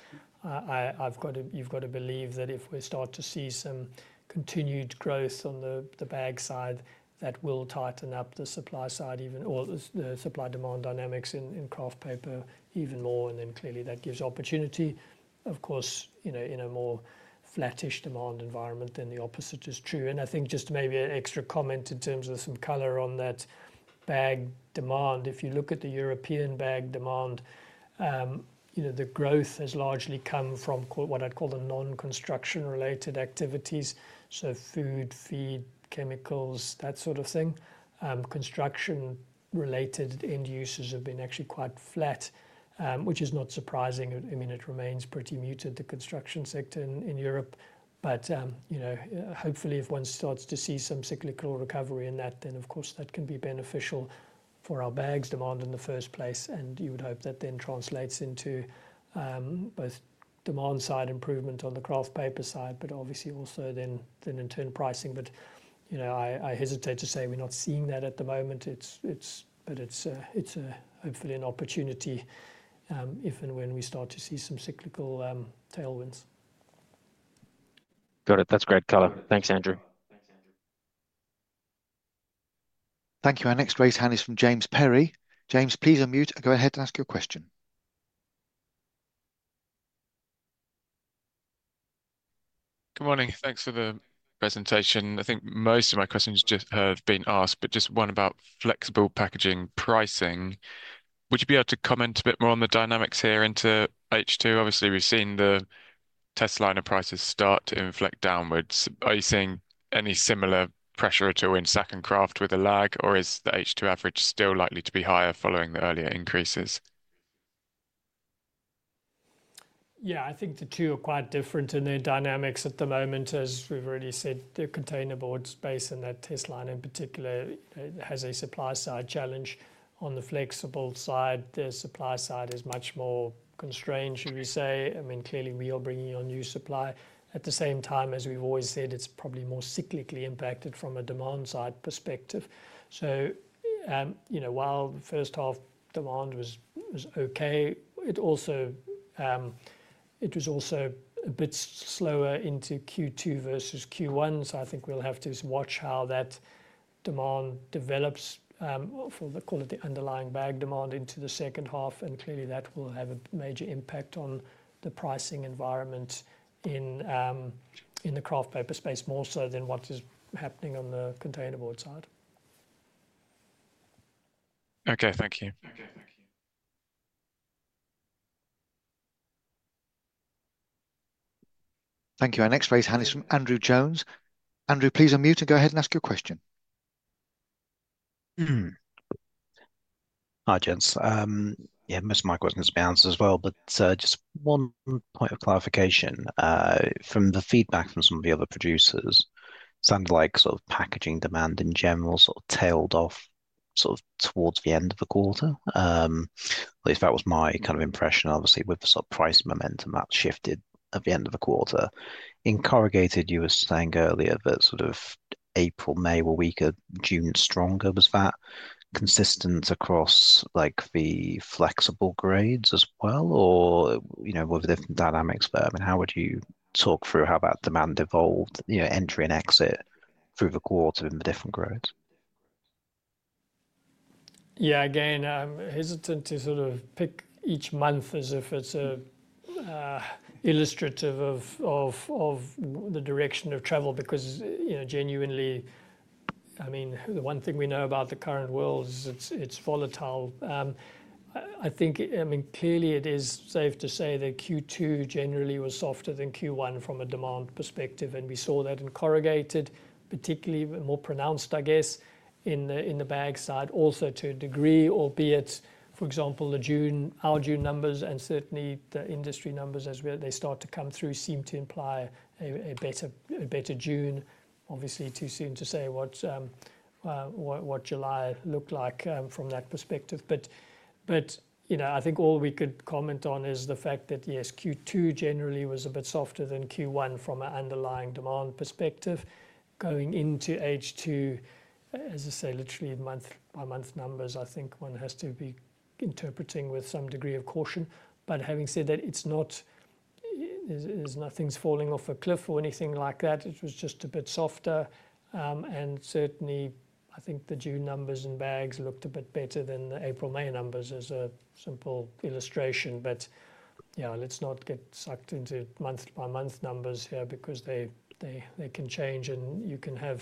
You've got to believe that if we start to see some continued growth on the bag side that will tighten up the supply side even, or the supply demand dynamics in kraft paper even more, and clearly that gives opportunity. Of course, in a more flattish demand environment the opposite is true. I think just maybe an extra comment in terms of some color on that bag demand. If you look at the European bag demand, the growth has largely come from what I'd call the non construction related activities, so food, feed, chemicals, that sort of thing. Construction related end uses have been actually quite flat, which is not surprising. It remains pretty muted, the construction sector in Europe. Hopefully if one starts to see some cyclical recovery in that, then of course that can be beneficial for our bags demand in the first place. You would hope that then translates into both demand side improvement on the kraft paper side, but obviously also then in turn pricing. I hesitate to say we're not seeing that at the moment. It's, it's, but it's, it's a hopefully an opportunity if and when we start to see some cyclical tailwinds.
Got it. That's great color. Thanks, Andrew. Thanks, Andrew.
Thank you. Our next raise hand is from James Perry. James, please unmute and go ahead and ask your question.
Good morning. Thanks for the presentation. I think most of my questions just have been asked. Just one about flexible packaging pricing. Would you be able to comment a bit more on the dynamics here into H2? Obviously, we've seen the test liner prices start to inflect downwards. Are you seeing any similar pressure at all in sack and kraft with a lag, or is the H2 average still likely to be higher following the earlier increases?
Yeah, I think the two are quite different in their dynamics at the moment. As we've already said, the containerboard space and that test line in particular has a supply side challenge. On the flexible side, the supply side is much more constrained, should we say? I mean, clearly we are bringing on new supply at the same time as we've always said. It's probably more cyclically impacted from a demand side perspective. While the first half demand was okay, it was also a bit slower into Q2 versus Q1. I think we'll have to watch how that demand develops for the, call it, the underlying bag demand into the second half. Clearly, that will have a major impact on the pricing environment in the Kraft paper space, more so than what is happening on the containerboard side.
Okay, thank you.
Okay, thank you.
Thank you. Our next question is from Andrew Ian Jones. Andrew, please unmute and go ahead and ask your question.
Hi, gents. Most of my questions bounce as well, but just one point of clarification from the feedback from some of the other producers. Sounds like sort of packaging demand in general tailed off towards the end of the quarter. At least that was my kind of impression. Obviously, with the price momentum that shifted at the end of the quarter in corrugated. You were saying earlier that April and May were weaker, June stronger. Was that consistent across the flexible grades as well, or were there different dynamics there? How would you talk through how that demand evolved entry and exit through the quarter in the different growth?
Yeah, again, I'm hesitant to sort of pick each month as if it's illustrative of the direction of travel because, you know, genuinely, I mean, the one thing we know about the current world is it's volatile, I think. I mean, clearly it is safe to say that Q2 generally was softer than Q1 from a demand perspective. We saw that in corrugated, particularly more pronounced, I guess in the bag side also to a degree, albeit for example, our June numbers, and certainly the industry numbers as they start to come through, seem to imply a better June. Obviously, too soon to say what July looked like from that perspective, but you know, I think all we could comment on is the fact that yes, Q2 generally was a bit softer than Q1 from an underlying demand perspective. Going into H2, as I say, literally month by month numbers, I think one has to be interpreting with some degree of caution. Having said that, nothing's falling off a cliff or anything like that. It was just a bit softer. Certainly, I think the June numbers in bags looked a bit better than the April May numbers as a simple illustration. Let's not get sucked into month by month numbers here because they can change and you can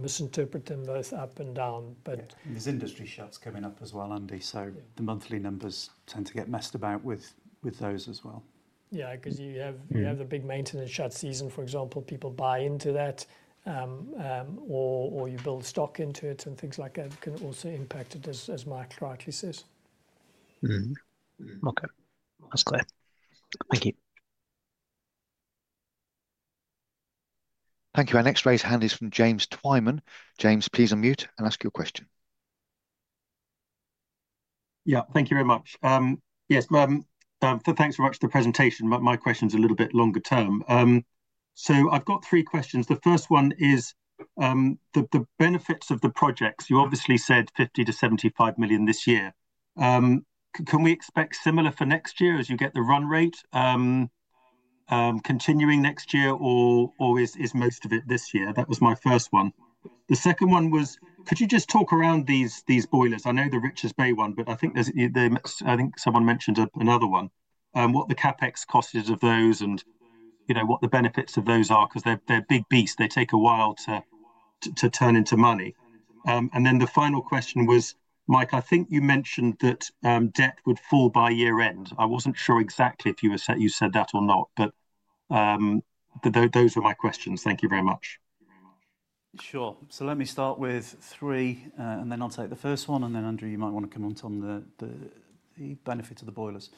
misinterpret them both up and down.
Are industry shots coming up as well, Andy. The monthly numbers tend to get messed about with those as well.
Yeah, because you have the big maintenance shut season, for example. People buy into that, or you build stock into it, and things like that can also impact it, as Mike rightly says.
Okay, that's clear. Thank you.
Thank you. Our next raised hand is from James Twyman. James, please unmute and ask your question.
Yeah, thank you very much. Yes, thanks very much for the presentation. My question's a little bit longer term, so I've got three questions. The first one is the benefits of the projects. You obviously said 50 million-75 million this year. Can we expect similar for next year as you get the run rate continuing next year, or is most of it this year? That was my first one. The second one was, could you just talk around these boilers? I know the Richards Bay one, but I think someone mentioned another one. What the CapEx cost is of those and what the benefits of those are, because they're big beasts, they take a while to turn into money. The final question was, Mike, I think you mentioned that debt would fall by year end. I wasn't sure exactly if you said that or not, but those were my questions. Thank you very much.
Sure. Let me start with three and then I'll take the first one. Andrew, you might want to comment on the benefit of the boilers.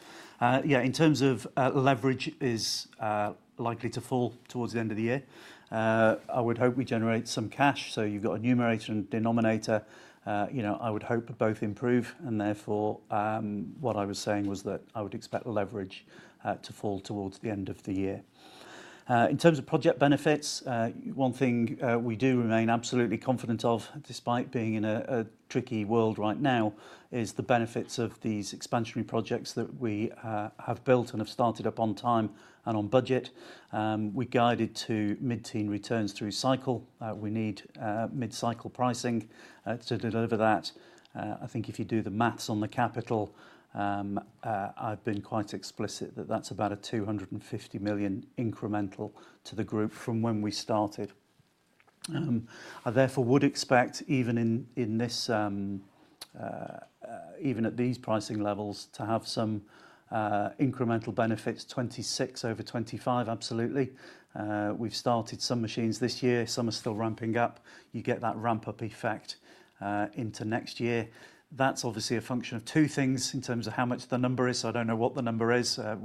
In terms of leverage, it's likely to fall towards the end of the year. I would hope we generate some cash. You've got a numerator and denominator. I would hope both improve and therefore what I was saying was that I would expect leverage to fall towards the end of the year. In terms of project benefits, one thing we do remain absolutely confident of, despite being in a tricky world right now, is the benefits of these expansionary projects that we have built and have started up on time and on budget. We guided to mid-teen returns through cycle. We need mid-cycle pricing to deliver that. If you do the math on the capital, I've been quite explicit that that's about 250 million incremental to the group from when we started. I therefore would expect even at these pricing levels to have some incremental benefits, 2026 over 2025. Absolutely. We've started some machines this year. Some are still ramping up. You get that ramp-up effect into next year. That's obviously a function of two things in terms of how much the number is. I don't know what the number is. I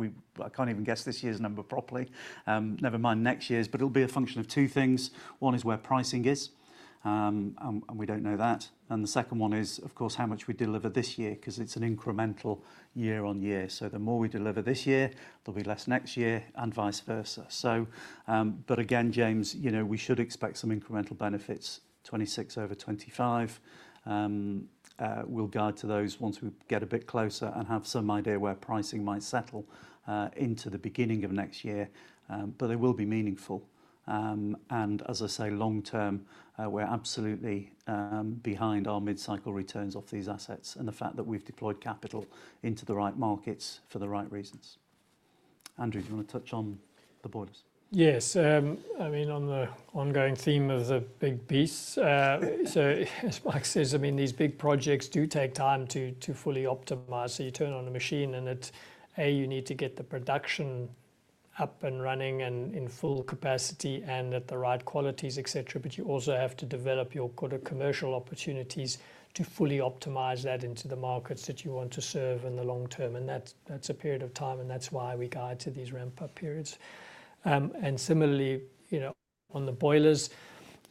can't even guess this year's number properly, never mind next year's, but it'll be a function of two things. One is where pricing is, and we don't know that. The second one is, of course, how much we deliver this year because it's an incremental year on year. The more we deliver this year, there'll be less next year and vice versa. Again, James, we should expect some incremental benefits, 2026 over 2025. We'll guide to those once we get a bit closer and have some idea where pricing might settle into the beginning of next year. They will be meaningful and, as I say, long term we're absolutely behind our mid-cycle returns off these assets and the fact that we've deployed capital into the right markets for the right reasons. Andrew, do you want to touch on the boilers?
Yes, I mean on the ongoing theme of the big piece. As Mike says, these big projects do take time to fully optimize. You turn on a machine and you need to get the production up and running and in full capacity and at the right qualities, etc. You also have to develop your commercial opportunities to fully optimize that into the markets that you want to serve in the long term. That's a period of time and that's why we guide to these ramp up periods. Similarly, on the boilers,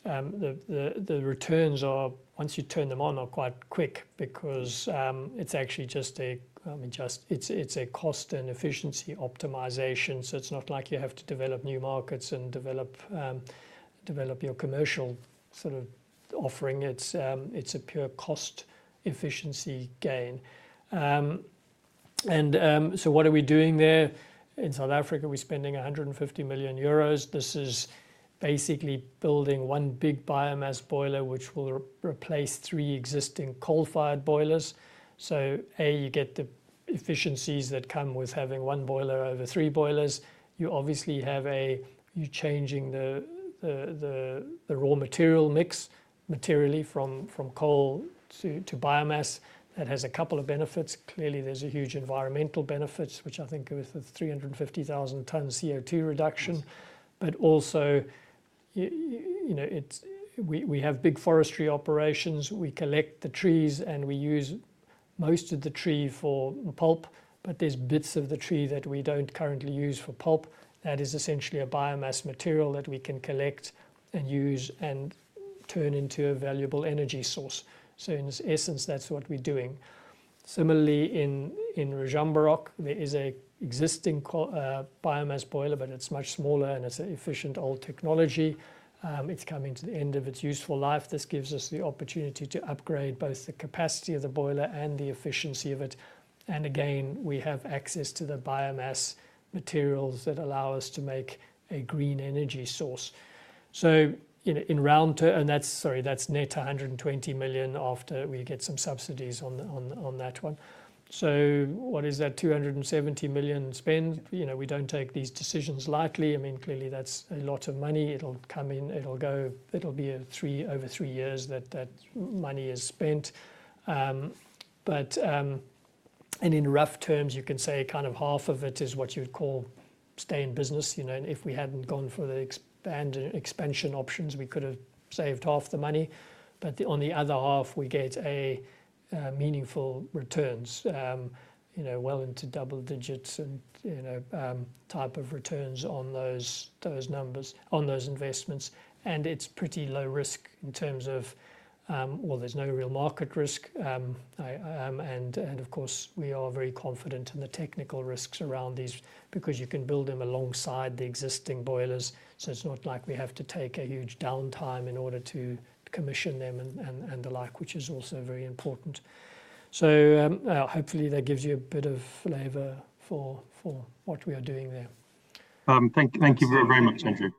the returns are, once you turn them on, quite quick because it's actually just a cost and efficiency optimization. It's not like you have to develop new markets and develop your commercial sort of offering. It's a pure cost efficiency gain. What are we doing there in South Africa? We're spending 150 million euros. This is basically building one big biomass boiler which will replace three existing coal-fired boilers. You get the efficiencies that come with having one boiler over three boilers. You obviously are changing the raw material mix materially from coal to biomass. That has a couple of benefits. Clearly, there's a huge environmental benefit, which I think is 350,000 tonnes CO2 reduction. We have big forestry operations, we collect the trees and we use most of the tree for pulp, but there's bits of the tree that we don't currently use for pulp that is essentially a biomass material that we can collect and use and turn into a valuable energy source. In essence, that's what we're doing. Similarly, in Ruzomberok, there is an existing biomass boiler, but it's much smaller and it's an inefficient old technology. It's coming to the end of its useful life. This gives us the opportunity to upgrade both the capacity of the boiler and the efficiency of it. Again, we have access to the biomass materials that allow us to make a green energy source. That's net 120 million after we get some subsidies on that one. What is that 270 million spend? We don't take these decisions lightly. Clearly, that's a lot of money. It'll come in, it'll go, it'll be over three years that money is spent. In rough terms, you can say kind of half of it is what you'd call stay in business. If we hadn't gone for the expansion options, we could have saved half the money. On the other half we get meaningful returns, you know, well into double digits and, you know, type of returns on those numbers on those investments. It's pretty low risk in terms of, well, there's no real market risk and, of course, we are very confident in the technical risk around these because you can build them alongside the existing boilers. It's not like we have to take a huge downtime in order to commission them, which is also very important. Hopefully that gives you a bit of flavor for what we are doing there.
Thank you. Thank you very, very much, Andrew.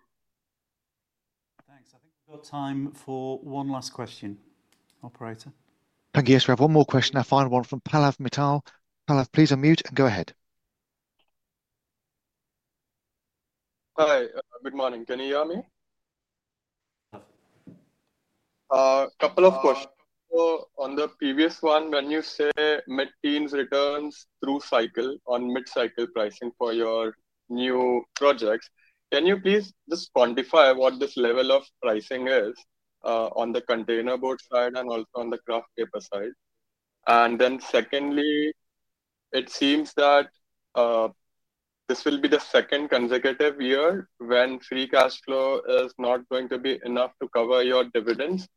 Thanks. I think we've got time for one last question. Operator.
Thank you. Yes, we have one more question. I find one from Pallav Mittal. Please unmute and go ahead.
Hi, good morning, can you hear me? Couple of questions on the previous one. When you say mid teens returns through cycle on mid cycle pricing for your new projects, can you please just quantify what this level of pricing is on the containerboard side and also on the graphic paper side. Secondly, it seems that this will be the second consecutive year when free cash flow is not going to be enough to cover your dividends.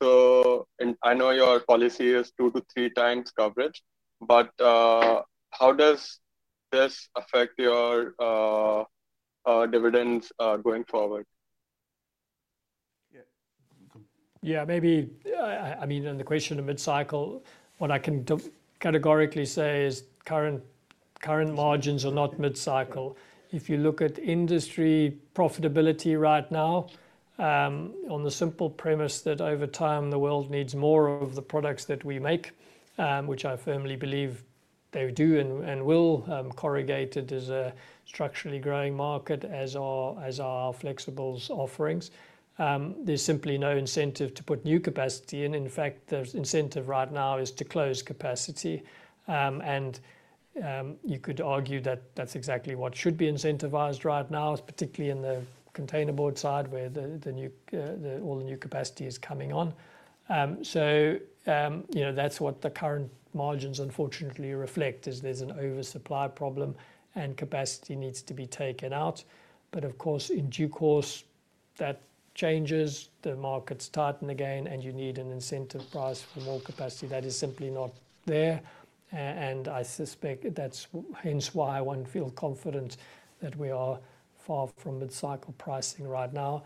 I know your policy is two to three times coverage, but how does this affect your dividends going forward?
Maybe. I mean in the question of mid cycle, what I can categorically say is current, current margins are not mid cycle. If you look at industry profitability right now on the simple premise that over time the world needs more of the products that we make, which I firmly believe they do and will. Corrugated as a structurally growing market, as are flexibles offerings, there's simply no incentive to put new capacity in. In fact, the incentive right now is to close capacity. You could argue that that's exactly what should be incentivized right now, particularly in the containerboard side where all the new capacity is coming on. That's what the current margins unfortunately reflect, is there's an oversupply problem and capacity needs to be taken out. Of course, in due course that changes, the markets tighten again and you need an incentive price for more capacity that is simply not there. I suspect that's hence why one feels confident that we are far from mid cycle pricing right now.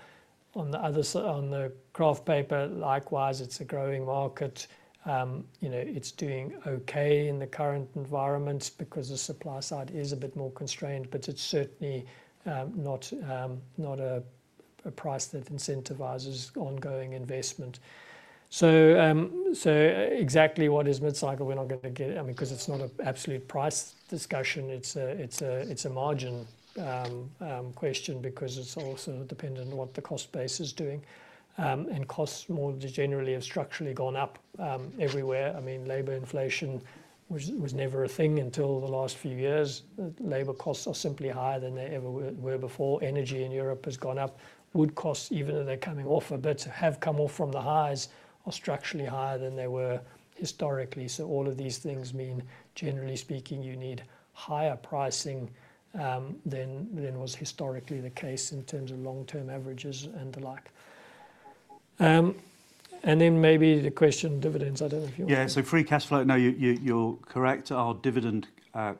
On the other side, on the graph paper, likewise, it's a growing market. It's doing okay in the current environment, but because the supply side is a bit more constrained. It's certainly not a price that incentivizes ongoing investment. Exactly what is mid cycle we're not going to get, I mean, because it's not an absolute price discussion, it's a margin question because it's also dependent on what the cost base is doing. Costs more generally have structurally gone up everywhere. Labor inflation was never a thing until the last few years. Labor costs are simply higher than they ever were before. Energy in Europe has gone up. Wood costs, even though they're coming off a bit, have come off from the highs, are structurally higher than they were historically. All of these things mean, generally speaking, you need higher pricing than was historically the case in terms of long term averages and the like. Maybe the question dividends, I don't know if you want.
Yeah, so free cash flow. No, you're correct. Our dividend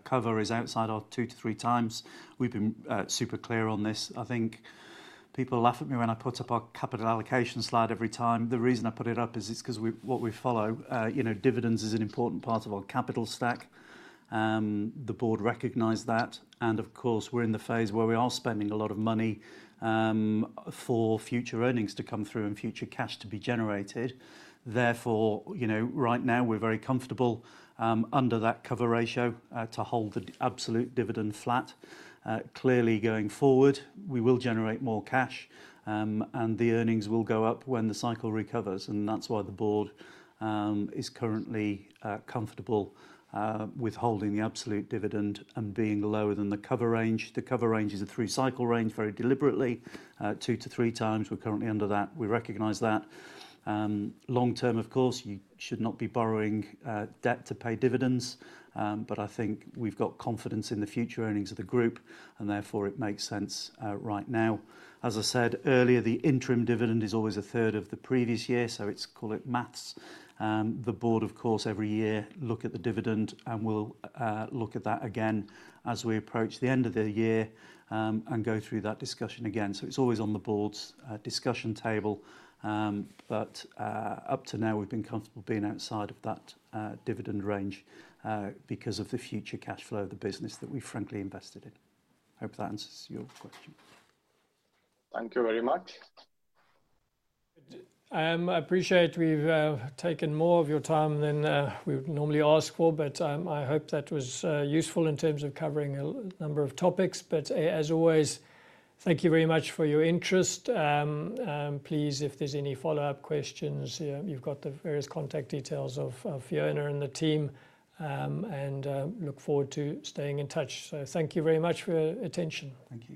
cover is outside our two to three times. We've been super clear on this. I think people laugh at me when I put up our capital allocation slide every time. The reason I put it up is it's because what we follow, you know, dividends is an important part of our capital stack. The Board recognized that. Of course, we're in the phase where we are spending a lot of money for future earnings to come through and future cash to be generated. Therefore, right now we're very comfortable under that cover ratio to hold the absolute dividend flat. Clearly, going forward we will generate more cash and the earnings will go up when the cycle recovers. That's why the Board is currently comfortable withholding the absolute dividend and being lower than the COVID range. The COVID range is a three cycle range very deliberately, two to three times. We're currently under that, we recognize that long term, of course, you should not be borrowing debt to pay dividends, but I think we've got confidence in the future earnings of the group and therefore it makes sense. Right now, as I said earlier, the interim dividend is always a third of the previous year, so it's call it maths. The Board, of course, every year look at the dividend and we'll look at that again as we approach the end of the year and go through that discussion again. It's always on the Board's discussion table, but up to now we've been comfortable being outside of that dividend range because of the future cash flow of the business that we frankly invested in. Hope that answers your question.
Thank you very much.
I appreciate we've taken more of your time than we would normally ask for, but I hope that was useful in terms of covering a number of topics. As always, thank you very much for your interest. Please, if there's any follow up questions, you've got the various contact details of Fiona and the team and look forward to staying in touch. Thank you very much for your attention.
Thank you.